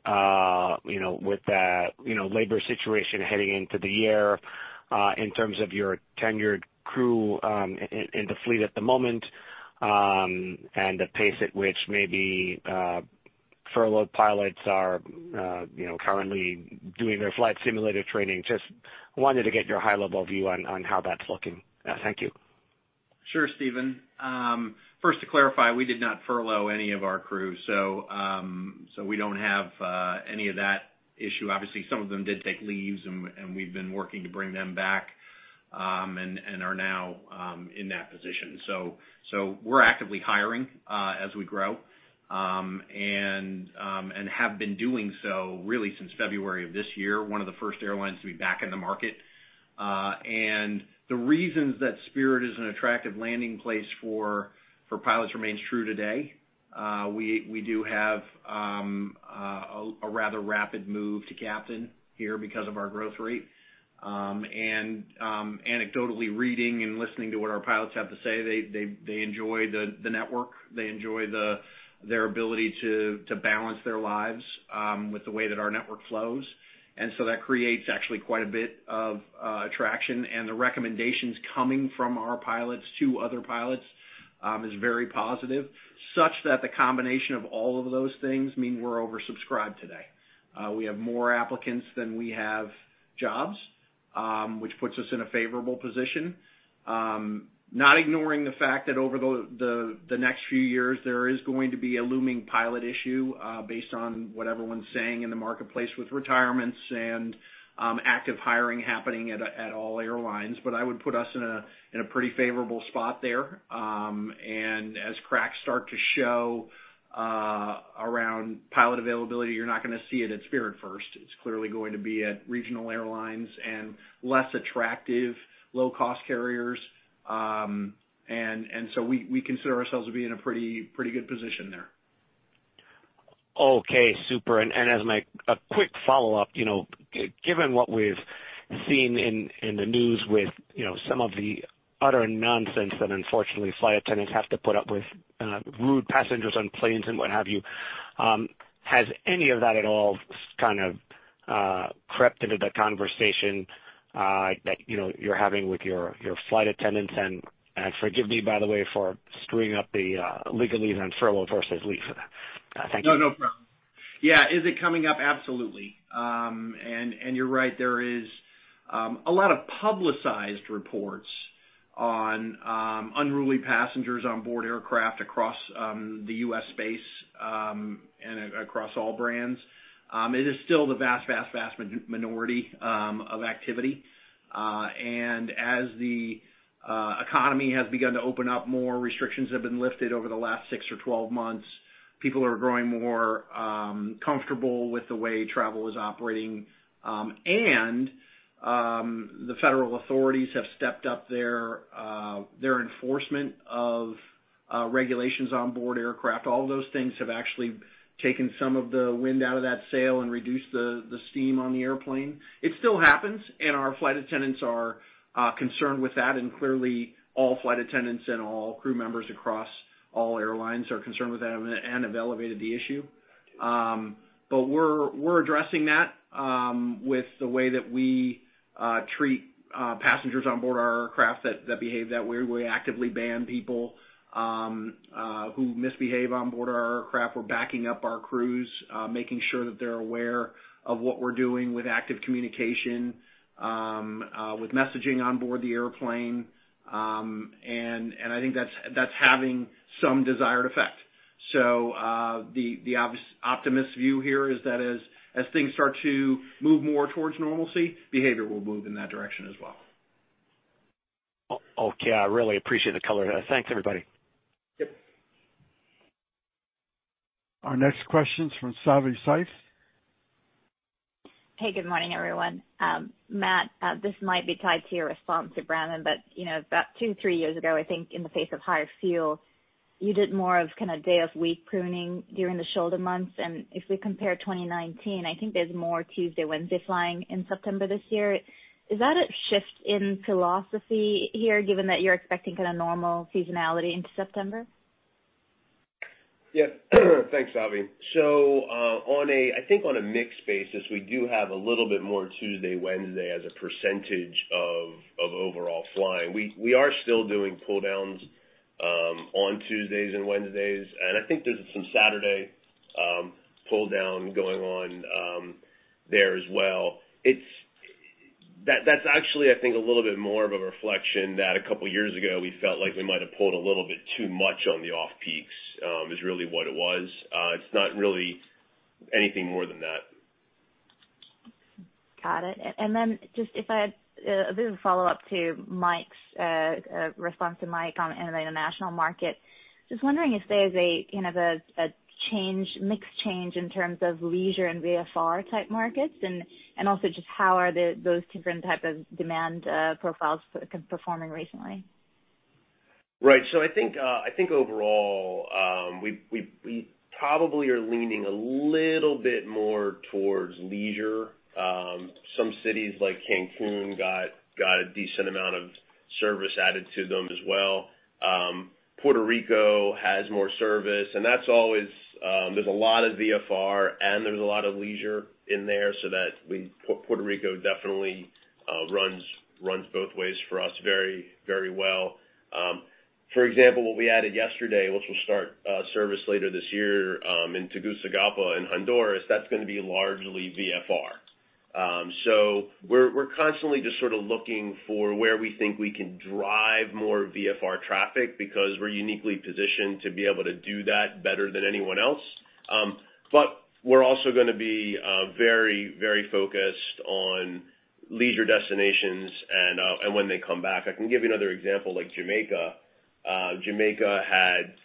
with that labor situation heading into the year in terms of your tenured crew in the fleet at the moment and the pace at which maybe furloughed pilots are currently doing their flight simulator training? Just wanted to get your high-level view on how that's looking. Thank you. Sure, Stephen. First to clarify, we did not furlough any of our crew, so we don't have any of that issue. Obviously, some of them did take leaves, and we've been working to bring them back and are now in that position. We're actively hiring as we grow and have been doing so really since February of this year, one of the first airlines to be back in the market. The reasons that Spirit is an attractive landing place for pilots remains true today. We do have a rather rapid move to captain here because of our growth rate. Anecdotally reading and listening to what our pilots have to say, they enjoy the network. They enjoy their ability to balance their lives with the way that our network flows. That creates actually quite a bit of attraction, and the recommendations coming from our pilots to other pilots is very positive, such that the combination of all of those things mean we're oversubscribed today. We have more applicants than we have jobs, which puts us in a favorable position. Not ignoring the fact that over the next few years, there is going to be a looming pilot issue based on what everyone's saying in the marketplace with retirements and active hiring happening at all airlines. I would put us in a pretty favorable spot there. As cracks start to show around pilot availability, you're not going to see it at Spirit first. It's clearly going to be at regional airlines and less attractive low-cost carriers. We consider ourselves to be in a pretty good position there. Okay. Super. As a quick follow-up, given what we've seen in the news with some of the utter nonsense that unfortunately flight attendants have to put up with rude passengers on planes and what have you, has any of that at all kind of crept into the conversation that you're having with your flight attendants and forgive me, by the way, for screwing up the legalese on furlough versus leave. Thank you. No, no problem. Yeah, is it coming up? Absolutely. You're right, there is a lot of publicized reports on unruly passengers on board aircraft across the U.S. space, and across all brands. It is still the vast minority of activity. As the economy has begun to open up more, restrictions have been lifted over the last six or 12 months. People are growing more comfortable with the way travel is operating. The federal authorities have stepped up their enforcement of regulations on board aircraft. All those things have actually taken some of the wind out of that sail and reduced the steam on the airplane. It still happens, our flight attendants are concerned with that, clearly, all flight attendants and all crew members across all airlines are concerned with that and have elevated the issue. We're addressing that with the way that we treat passengers on board our aircraft that behave that way. We actively ban people who misbehave on board our aircraft. We're backing up our crews, making sure that they're aware of what we're doing with active communication, with messaging on board the airplane, and I think that's having some desired effect. The optimist view here is that as things start to move more towards normalcy, behavior will move in that direction as well. Okay. I really appreciate the color. Thanks, everybody. Yep. Our next question is from Savi Syth. Hey, good morning, everyone. Matt, this might be tied to your response to Brandon, but about two, three years ago, I think, in the face of higher fuel, you did more of kind of day-of-week pruning during the shoulder months. If we compare 2019, I think there's more Tuesday, Wednesday flying in September this year. Is that a shift in philosophy here, given that you're expecting kind of normal seasonality into September? Yeah. Thanks, Savi. I think on a mix basis, we do have a little bit more Tuesday, Wednesday as a percentage of overall flying. We are still doing pull-downs on Tuesdays and Wednesdays, and I think there's some Saturday pull-down going on there as well. That's actually, I think, a little bit more of a reflection that a couple of years ago we felt like we might have pulled a little bit too much on the off-peaks, is really what it was. It's not really anything more than that. Got it. Just if I had a bit of a follow-up to Mike's response on the international market. Just wondering if there's a change, mix change in terms of leisure and VFR-type markets and also just how are those different type of demand profiles performing recently? Right. I think overall, we probably are leaning a little bit more towards leisure. Some cities like Cancun got a decent amount of service added to them as well. Puerto Rico has more service, and there's a lot of VFR and there's a lot of leisure in there, so that Puerto Rico definitely runs both ways for us very well. For example, what we added yesterday, which will start service later this year, in Tegucigalpa in Honduras, that's going to be largely VFR. We're constantly just sort of looking for where we think we can drive more VFR traffic because we're uniquely positioned to be able to do that better than anyone else. We're also going to be very focused on leisure destinations and when they come back. I can give you another example like Jamaica. Jamaica had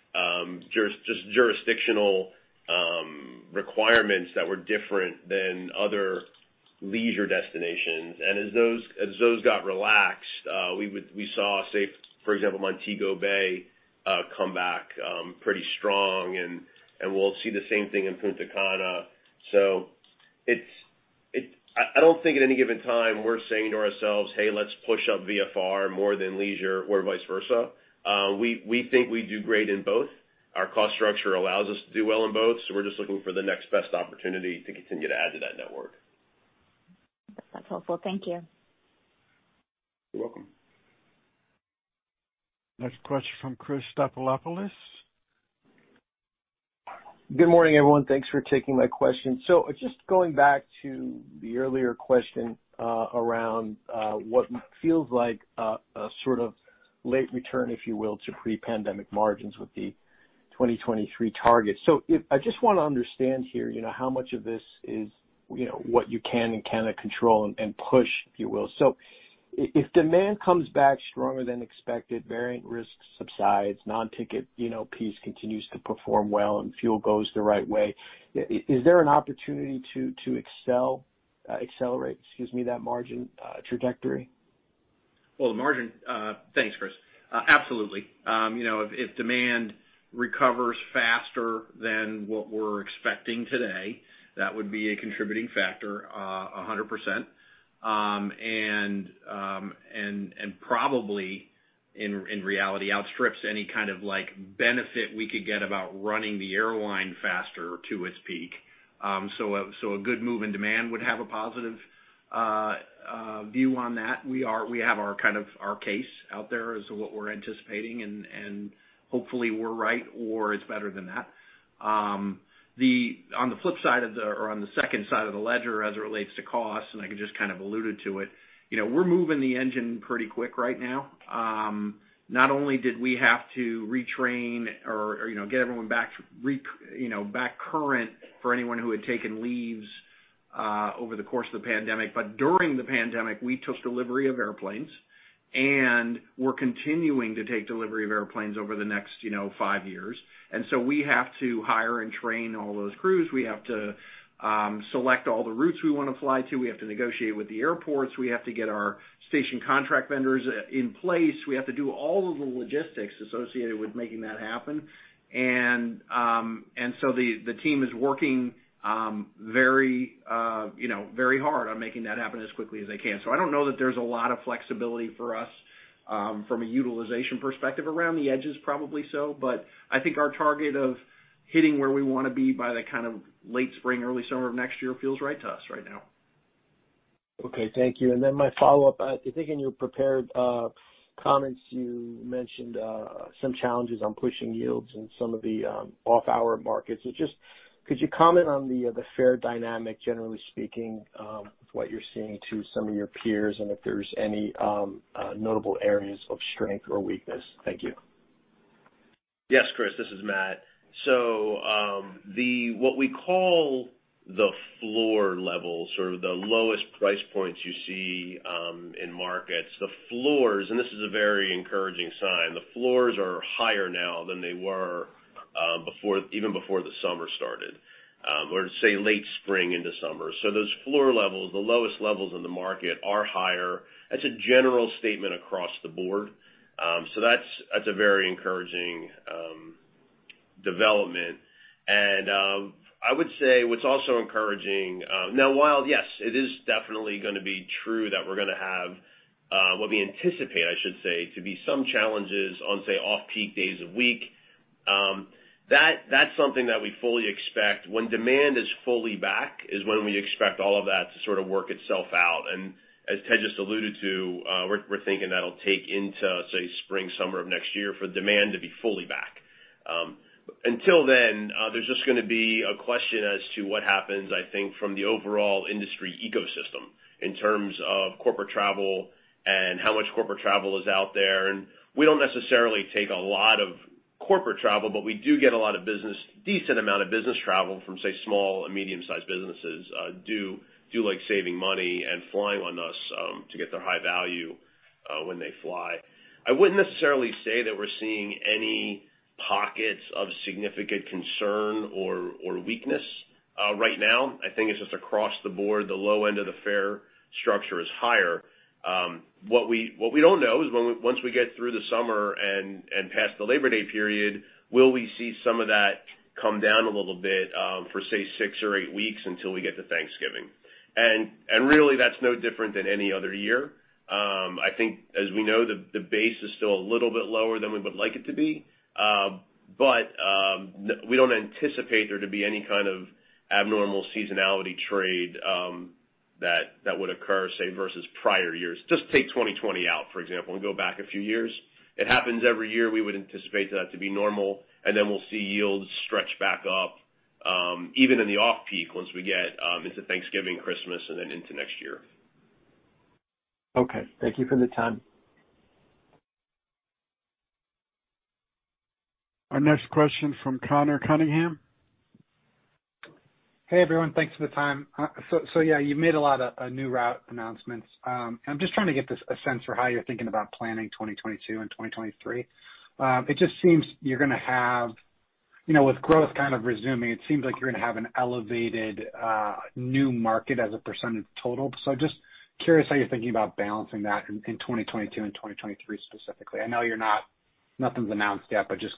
just jurisdictional requirements that were different than other leisure destinations. As those got relaxed, we saw, say, for example, Montego Bay come back pretty strong and we'll see the same thing in Punta Cana. I don't think at any given time, we're saying to ourselves, "Hey, let's push up VFR more than leisure or vice versa." We think we do great in both. Our cost structure allows us to do well in both. We're just looking for the next best opportunity to continue to add to that network. That's helpful. Thank you. You're welcome. Next question from Chris Stathoulopoulos. Good morning, everyone. Thanks for taking my question. Just going back to the earlier question around what feels like a sort of late return, if you will, to pre-pandemic margins with the 2023 target. I just want to understand here, how much of this is what you can and cannot control and push, if you will. If demand comes back stronger than expected, variant risk subsides, non-ticket piece continues to perform well, and fuel goes the right way, is there an opportunity to accelerate, excuse me, that margin trajectory? Thanks, Chris. Absolutely. If demand recovers faster than what we're expecting today, that would be a contributing factor, 100% and probably in reality, outstrips any kind of benefit we could get about running the airline faster to its peak. A good move in demand would have a positive view on that. We have our case out there as to what we're anticipating, and hopefully we're right, or it's better than that. On the second side of the ledger as it relates to cost, and I just kind of alluded to it, we're moving the engine pretty quick right now. Not only did we have to retrain or get everyone back current for anyone who had taken leaves over the course of the pandemic, but during the pandemic, we took delivery of airplanes, and we're continuing to take delivery of airplanes over the next five years. We have to hire and train all those crews. We have to select all the routes we want to fly to. We have to negotiate with the airports. We have to get our station contract vendors in place. We have to do all of the logistics associated with making that happen. The team is working very hard on making that happen as quickly as they can. I don't know that there's a lot of flexibility for us from a utilization perspective. Around the edges, probably so, but I think our target of hitting where we want to be by that kind of late spring, early summer of next year feels right to us right now. Okay. Thank you. My follow-up, I think in your prepared comments, you mentioned some challenges on pushing yields in some of the off-hour markets. Just could you comment on the fare dynamic, generally speaking, with what you're seeing to some of your peers and if there's any notable areas of strength or weakness? Thank you. Yes, Chris, this is Matt. What we call the floor level, sort of the lowest price points you see in markets, the floors, and this is a very encouraging sign, the floors are higher now than they were even before the summer started, or say late spring into summer. Those floor levels, the lowest levels in the market, are higher. That's a general statement across the board. That's a very encouraging development. I would say what's also encouraging, now, while, yes, it is definitely going to be true that we're going to have, what we anticipate, I should say, to be some challenges on, say, off-peak days of week, that's something that we fully expect. When demand is fully back is when we expect all of that to sort of work itself out. As Ted just alluded to, we're thinking that'll take into, say, spring, summer of next year for demand to be fully back. Until then, there's just going to be a question as to what happens, I think, from the overall industry ecosystem in terms of corporate travel and how much corporate travel is out there. We don't necessarily take a lot of corporate travel, but we do get a lot of business, decent amount of business travel from, say, small and medium-sized businesses do like saving money and flying on us to get their high value when they fly. I wouldn't necessarily say that we're seeing any pockets of significant concern or weakness right now. I think it's just across the board, the low end of the fare structure is higher. What we don't know is once we get through the summer and past the Labor Day period, will we see some of that come down a little bit for say, six or eight weeks until we get to Thanksgiving? Really that's no different than any other year. I think as we know, the base is still a little bit lower than we would like it to be. We don't anticipate there to be any kind of abnormal seasonality trade that would occur, say, versus prior years. Just take 2020 out, for example, and go back a few years. It happens every year. We would anticipate that to be normal, and then we'll see yields stretch back up, even in the off-peak once we get into Thanksgiving, Christmas, and then into next year. Okay. Thank you for the time. Our next question is from Conor Cunningham. Hey, everyone. Thanks for the time. Yeah, you've made a lot of new route announcements. I'm just trying to get a sense for how you're thinking about planning 2022 and 2023. It just seems with growth kind of resuming, it seems like you're going to have an elevated new market as a percentage total. Just curious how you're thinking about balancing that in 2022 and 2023 specifically. I know nothing's announced yet, just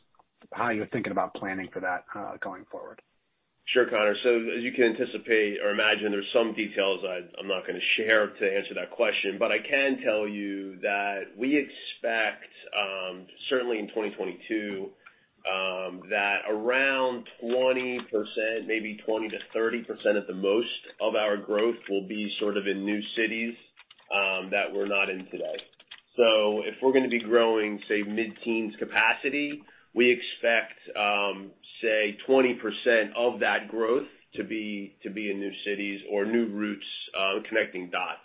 how you're thinking about planning for that going forward. Sure, Conor. As you can anticipate or imagine, there's some details I'm not going to share to answer that question. I can tell you that we expect, certainly in 2022, that around 20%, maybe 20%-30% at the most of our growth will be sort of in new cities that we're not in today. If we're going to be growing, say mid-teens capacity, we expect, say 20% of that growth to be in new cities or new routes connecting dots.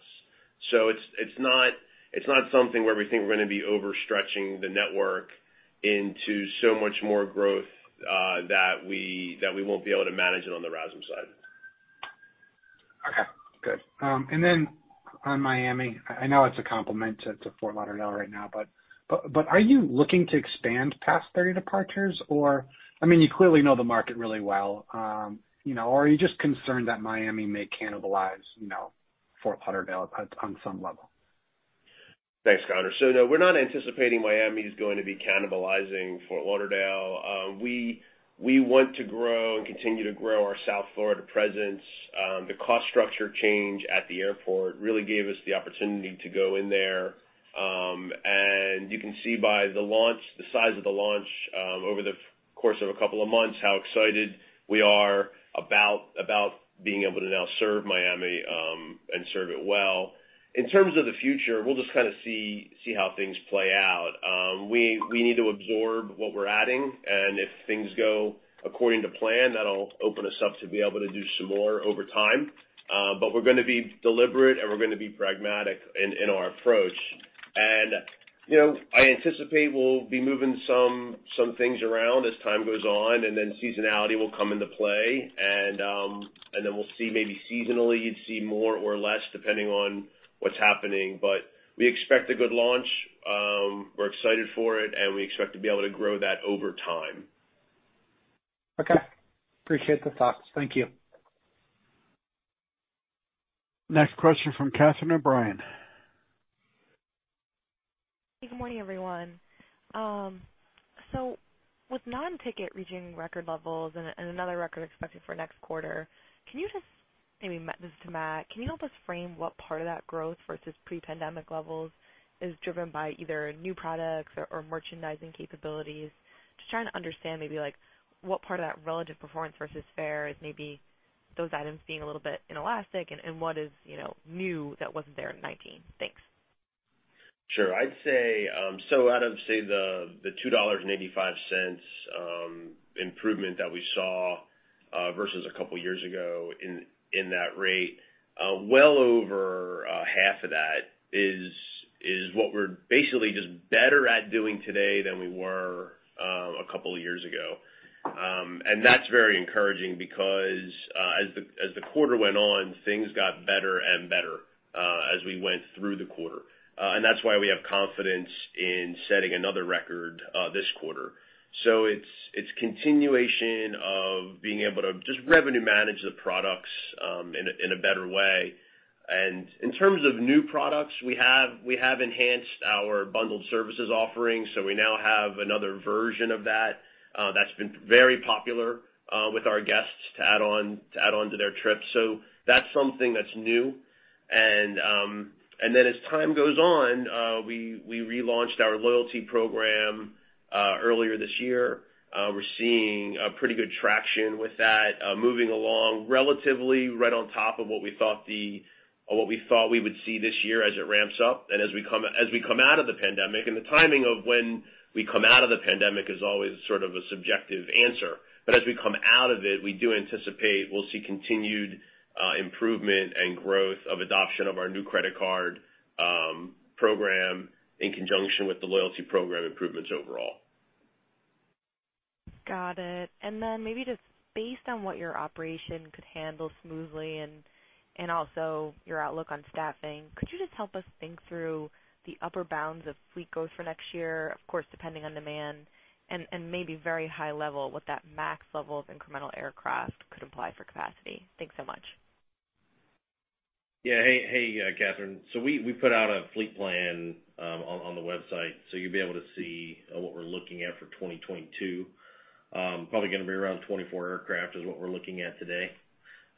It's not something where we think we're going to be overstretching the network into so much more growth that we won't be able to manage it on the RASM side. Okay, good. On Miami, I know it's a complement to Fort Lauderdale right now, but are you looking to expand past 30 departures? You clearly know the market really well. Are you just concerned that Miami may cannibalize Fort Lauderdale on some level? Thanks, Conor. No, we're not anticipating Miami is going to be cannibalizing Fort Lauderdale. We want to grow and continue to grow our South Florida presence. The cost structure change at the airport really gave us the opportunity to go in there. You can see by the size of the launch over the course of a couple of months, how excited we are about being able to now serve Miami, and serve it well. In terms of the future, we'll just kind of see how things play out. We need to absorb what we're adding, and if things go according to plan, that'll open us up to be able to do some more over time. We're going to be deliberate and we're going to be pragmatic in our approach. I anticipate we'll be moving some things around as time goes on, and then seasonality will come into play and then we'll see maybe seasonally you'd see more or less depending on what's happening. We expect a good launch, we're excited for it, and we expect to be able to grow that over time. Okay. Appreciate the thoughts. Thank you. Next question from Catherine O'Brien. Good morning, everyone. With non-ticket reaching record levels and another record expected for next quarter, can you just, maybe this is to Matt, can you help us frame what part of that growth versus pre-pandemic levels is driven by either new products or merchandising capabilities? Just trying to understand maybe what part of that relative performance versus fare is maybe those items being a little bit inelastic and what is new that wasn't there in 2019? Thanks. Sure. I'd say, out of, say, the $2.85 improvement that we saw versus a couple of years ago in that rate, well over half of that is what we're basically just better at doing today than we were a couple of years ago. That's very encouraging because, as the quarter went on, things got better and better, as we went through the quarter. That's why we have confidence in setting another record this quarter. It's continuation of being able to just revenue manage the products in a better way. In terms of new products, we have enhanced our bundled services offerings. We now have another version of that's been very popular with our guests to add on to their trips. That's something that's new. As time goes on, we relaunched our loyalty program earlier this year. We're seeing a pretty good traction with that, moving along relatively right on top of what we thought we would see this year as it ramps up and as we come out of the pandemic. The timing of when we come out of the pandemic is always sort of a subjective answer. As we come out of it, we do anticipate we'll see continued improvement and growth of adoption of our new credit card program in conjunction with the loyalty program improvements overall. Got it. Maybe just based on what your operation could handle smoothly and also your outlook on staffing, could you just help us think through the upper bounds of fleet growth for next year, of course, depending on demand, and maybe very high level what that max level of incremental aircraft could apply for capacity? Thanks so much. Yeah. Hey, Catherine. We put out a fleet plan on the website, you'll be able to see what we're looking at for 2022. Probably going to be around 24 aircraft, is what we're looking at today.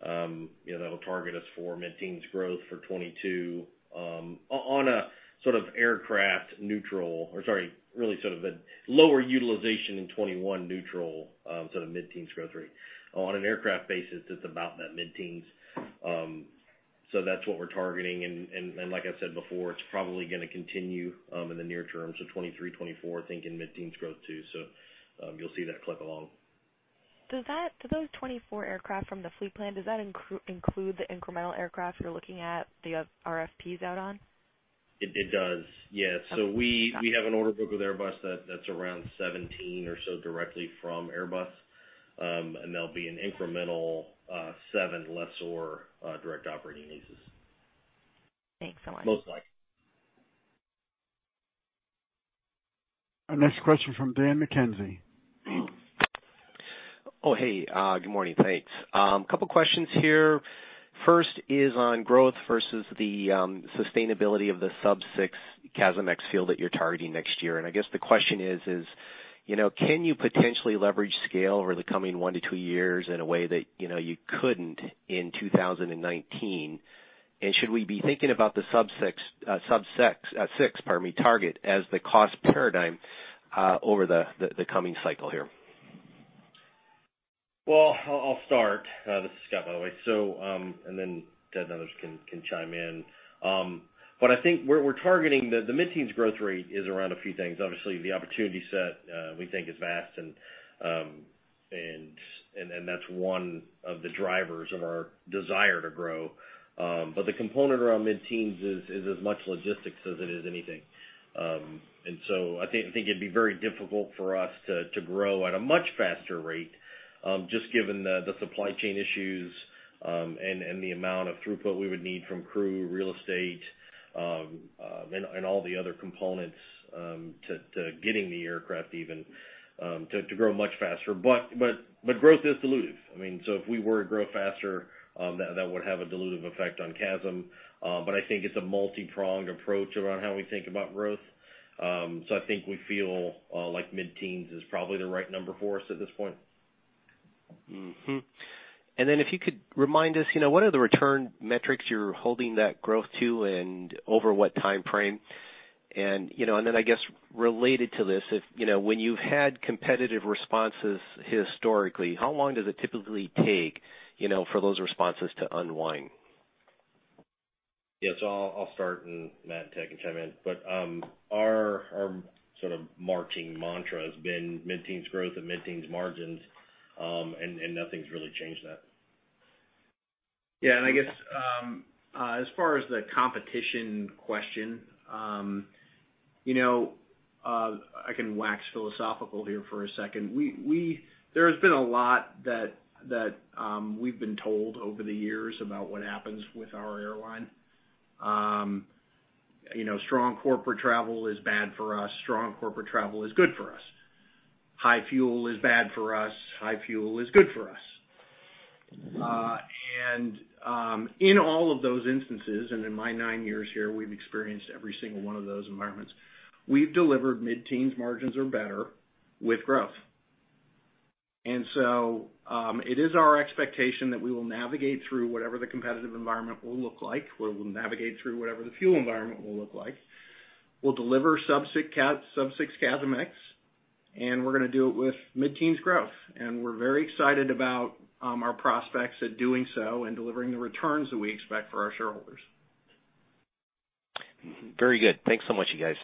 That'll target us for mid-teens growth for 2022, on a sort of aircraft neutral, or, sorry, really sort of a lower utilization in 2021 neutral sort of mid-teens growth rate. On an aircraft basis, it's about that mid-teens. That's what we're targeting, and like I said before, it's probably going to continue in the near term. 2023, 2024, thinking mid-teens growth too. You'll see that clip along. Do those 24 aircraft from the fleet plan, does that include the incremental aircraft you're looking at the RFPs out on? It does, yeah. We have an order book with Airbus that's around 17 or so directly from Airbus. There will be an incremental seven lessor direct operating leases. Thanks so much. Most likely. Our next question from Dan McKenzie. Oh, hey. Good morning. Thanks. Couple questions here. First is on growth versus the sustainability of the sub six CASM ex fuel that you're targeting next year, and I guess the question is: can you potentially leverage scale over the coming one to two years in a way that you couldn't in 2019? Should we be thinking about the sub six target as the cost paradigm over the coming cycle here? Well, I'll start. This is Scott, by the way. The others can chime in. What I think we're targeting, the mid-teens growth rate is around a few things. Obviously, the opportunity set we think is vast and that's one of the drivers of our desire to grow. The component around mid-teens is as much logistics as it is anything. I think it'd be very difficult for us to grow at a much faster rate, just given the supply chain issues, and the amount of throughput we would need from crew, real estate, and all the other components, to getting the aircraft even, to grow much faster. Growth is dilutive. I mean, if we were to grow faster, that would have a dilutive effect on CASM. I think it's a multi-pronged approach around how we think about growth. I think we feel like mid-teens is probably the right number for us at this point. Mm-hmm. Then if you could remind us, what are the return metrics you're holding that growth to and over what time frame? Then I guess related to this, when you've had competitive responses historically, how long does it typically take for those responses to unwind? Yes. I'll start and Matt and Ted can chime in. Our sort of marching mantra has been mid-teens growth and mid-teens margins, and nothing's really changed that. I guess as far as the competition question, I can wax philosophical here for a second. There has been a lot that we've been told over the years about what happens with our airline. Strong corporate travel is bad for us. Strong corporate travel is good for us. High fuel is bad for us. High fuel is good for us. In all of those instances, and in my nine years here, we've experienced every single one of those environments. We've delivered mid-teens margins or better with growth. It is our expectation that we will navigate through whatever the competitive environment will look like. We will navigate through whatever the fuel environment will look like. We'll deliver sub six CASM-ex, and we're going to do it with mid-teens growth. We're very excited about our prospects at doing so and delivering the returns that we expect for our shareholders. Very good. Thanks so much, you guys.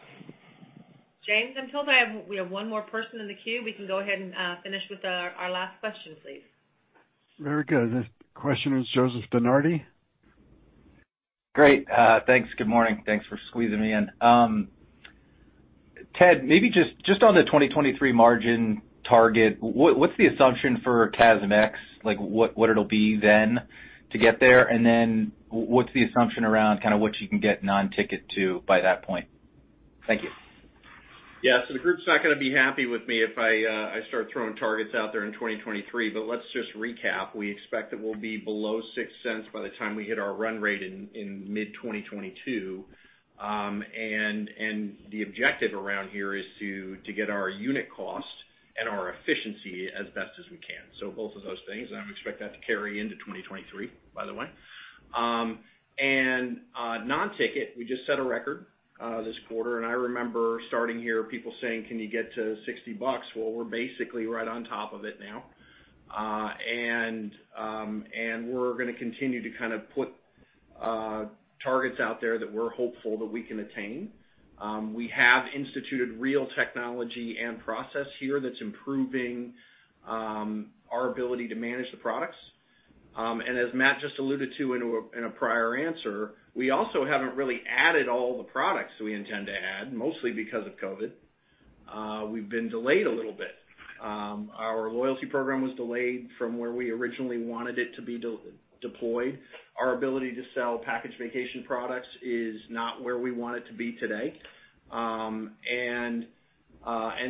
James, I'm told we have one more person in the queue. We can go ahead and finish with our last question, please. Very good. This question is Joseph DeNardi. Great. Thanks. Good morning. Thanks for squeezing me in. Ted, maybe just on the 2023 margin target, what's the assumption for CASM ex? What it'll be then to get there, and then what's the assumption around kind of what you can get non-ticket to by that point? Thank you. Yeah. The group's not going to be happy with me if I start throwing targets out there in 2023. Let's just recap. We expect that we'll be below $0.06 by the time we hit our run rate in mid-2022. The objective around here is to get our unit cost and our efficiency as best as we can. Both of those things, and I expect that to carry into 2023, by the way. Non-ticket, we just set a record this quarter, and I remember starting here, people saying, "Can you get to $60?" Well, we're basically right on top of it now. We're going to continue to kind of put targets out there that we're hopeful that we can attain. We have instituted real technology and process here that's improving our ability to manage the products. As Matt just alluded to in a prior answer, we also haven't really added all the products that we intend to add, mostly because of COVID. We've been delayed a little bit. Our loyalty program was delayed from where we originally wanted it to be deployed. Our ability to sell package vacation products is not where we want it to be today.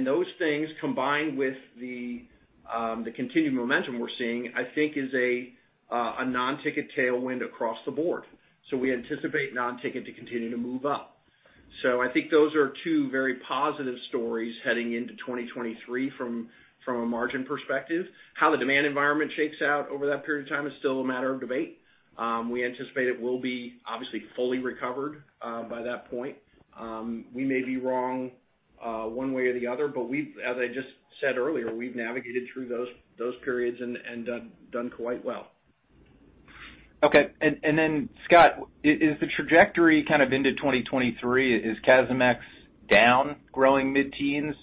Those things, combined with the continued momentum we're seeing, I think is a non-ticket tailwind across the board. We anticipate non-ticket to continue to move up. I think those are two very positive stories heading into 2023 from a margin perspective. How the demand environment shakes out over that period of time is still a matter of debate. We anticipate it will be obviously fully recovered by that point. We may be wrong one way or the other, but as I just said earlier, we've navigated through those periods and done quite well. Okay. Scott, is the trajectory kind of into 2023, is CASM ex down growing mid-teens?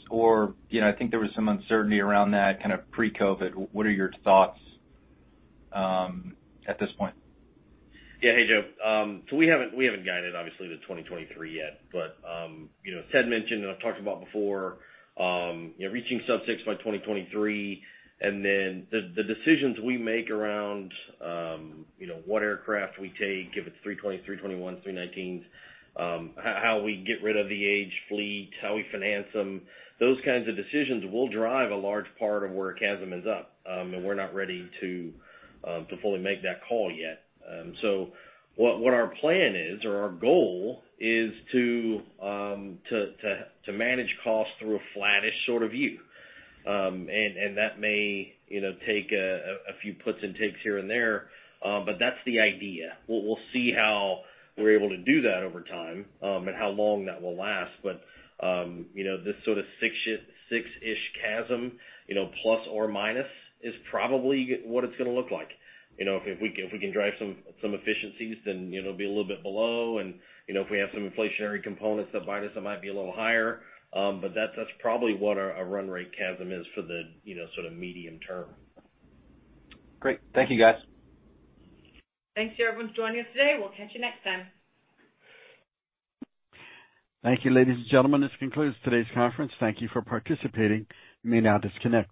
I think there was some uncertainty around that kind of pre-COVID. What are your thoughts at this point? Hey, Joe. We haven't guided obviously to 2023 yet, but Ted mentioned, and I've talked about before, reaching sub six by 2023, and then the decisions we make around what aircraft we take, if it's 320, 321, 319, how we get rid of the aged fleet, how we finance them. Those kinds of decisions will drive a large part of where CASM is up. We're not ready to fully make that call yet. What our plan is, or our goal, is to manage costs through a flattish sort of year. That may take a few puts and takes here and there. That's the idea. We'll see how we're able to do that over time, and how long that will last, but this sort of $6-ish CASM, plus or minus, is probably what it's going to look like. If we can drive some efficiencies, then it'll be a little bit below, and if we have some inflationary components that minus, it might be a little higher. That's probably what our run rate CASM is for the sort of medium term. Great. Thank you, guys. Thanks to everyone for joining us today. We'll catch you next time. Thank you, ladies and gentlemen. This concludes today's conference. Thank you for participating. You may now disconnect.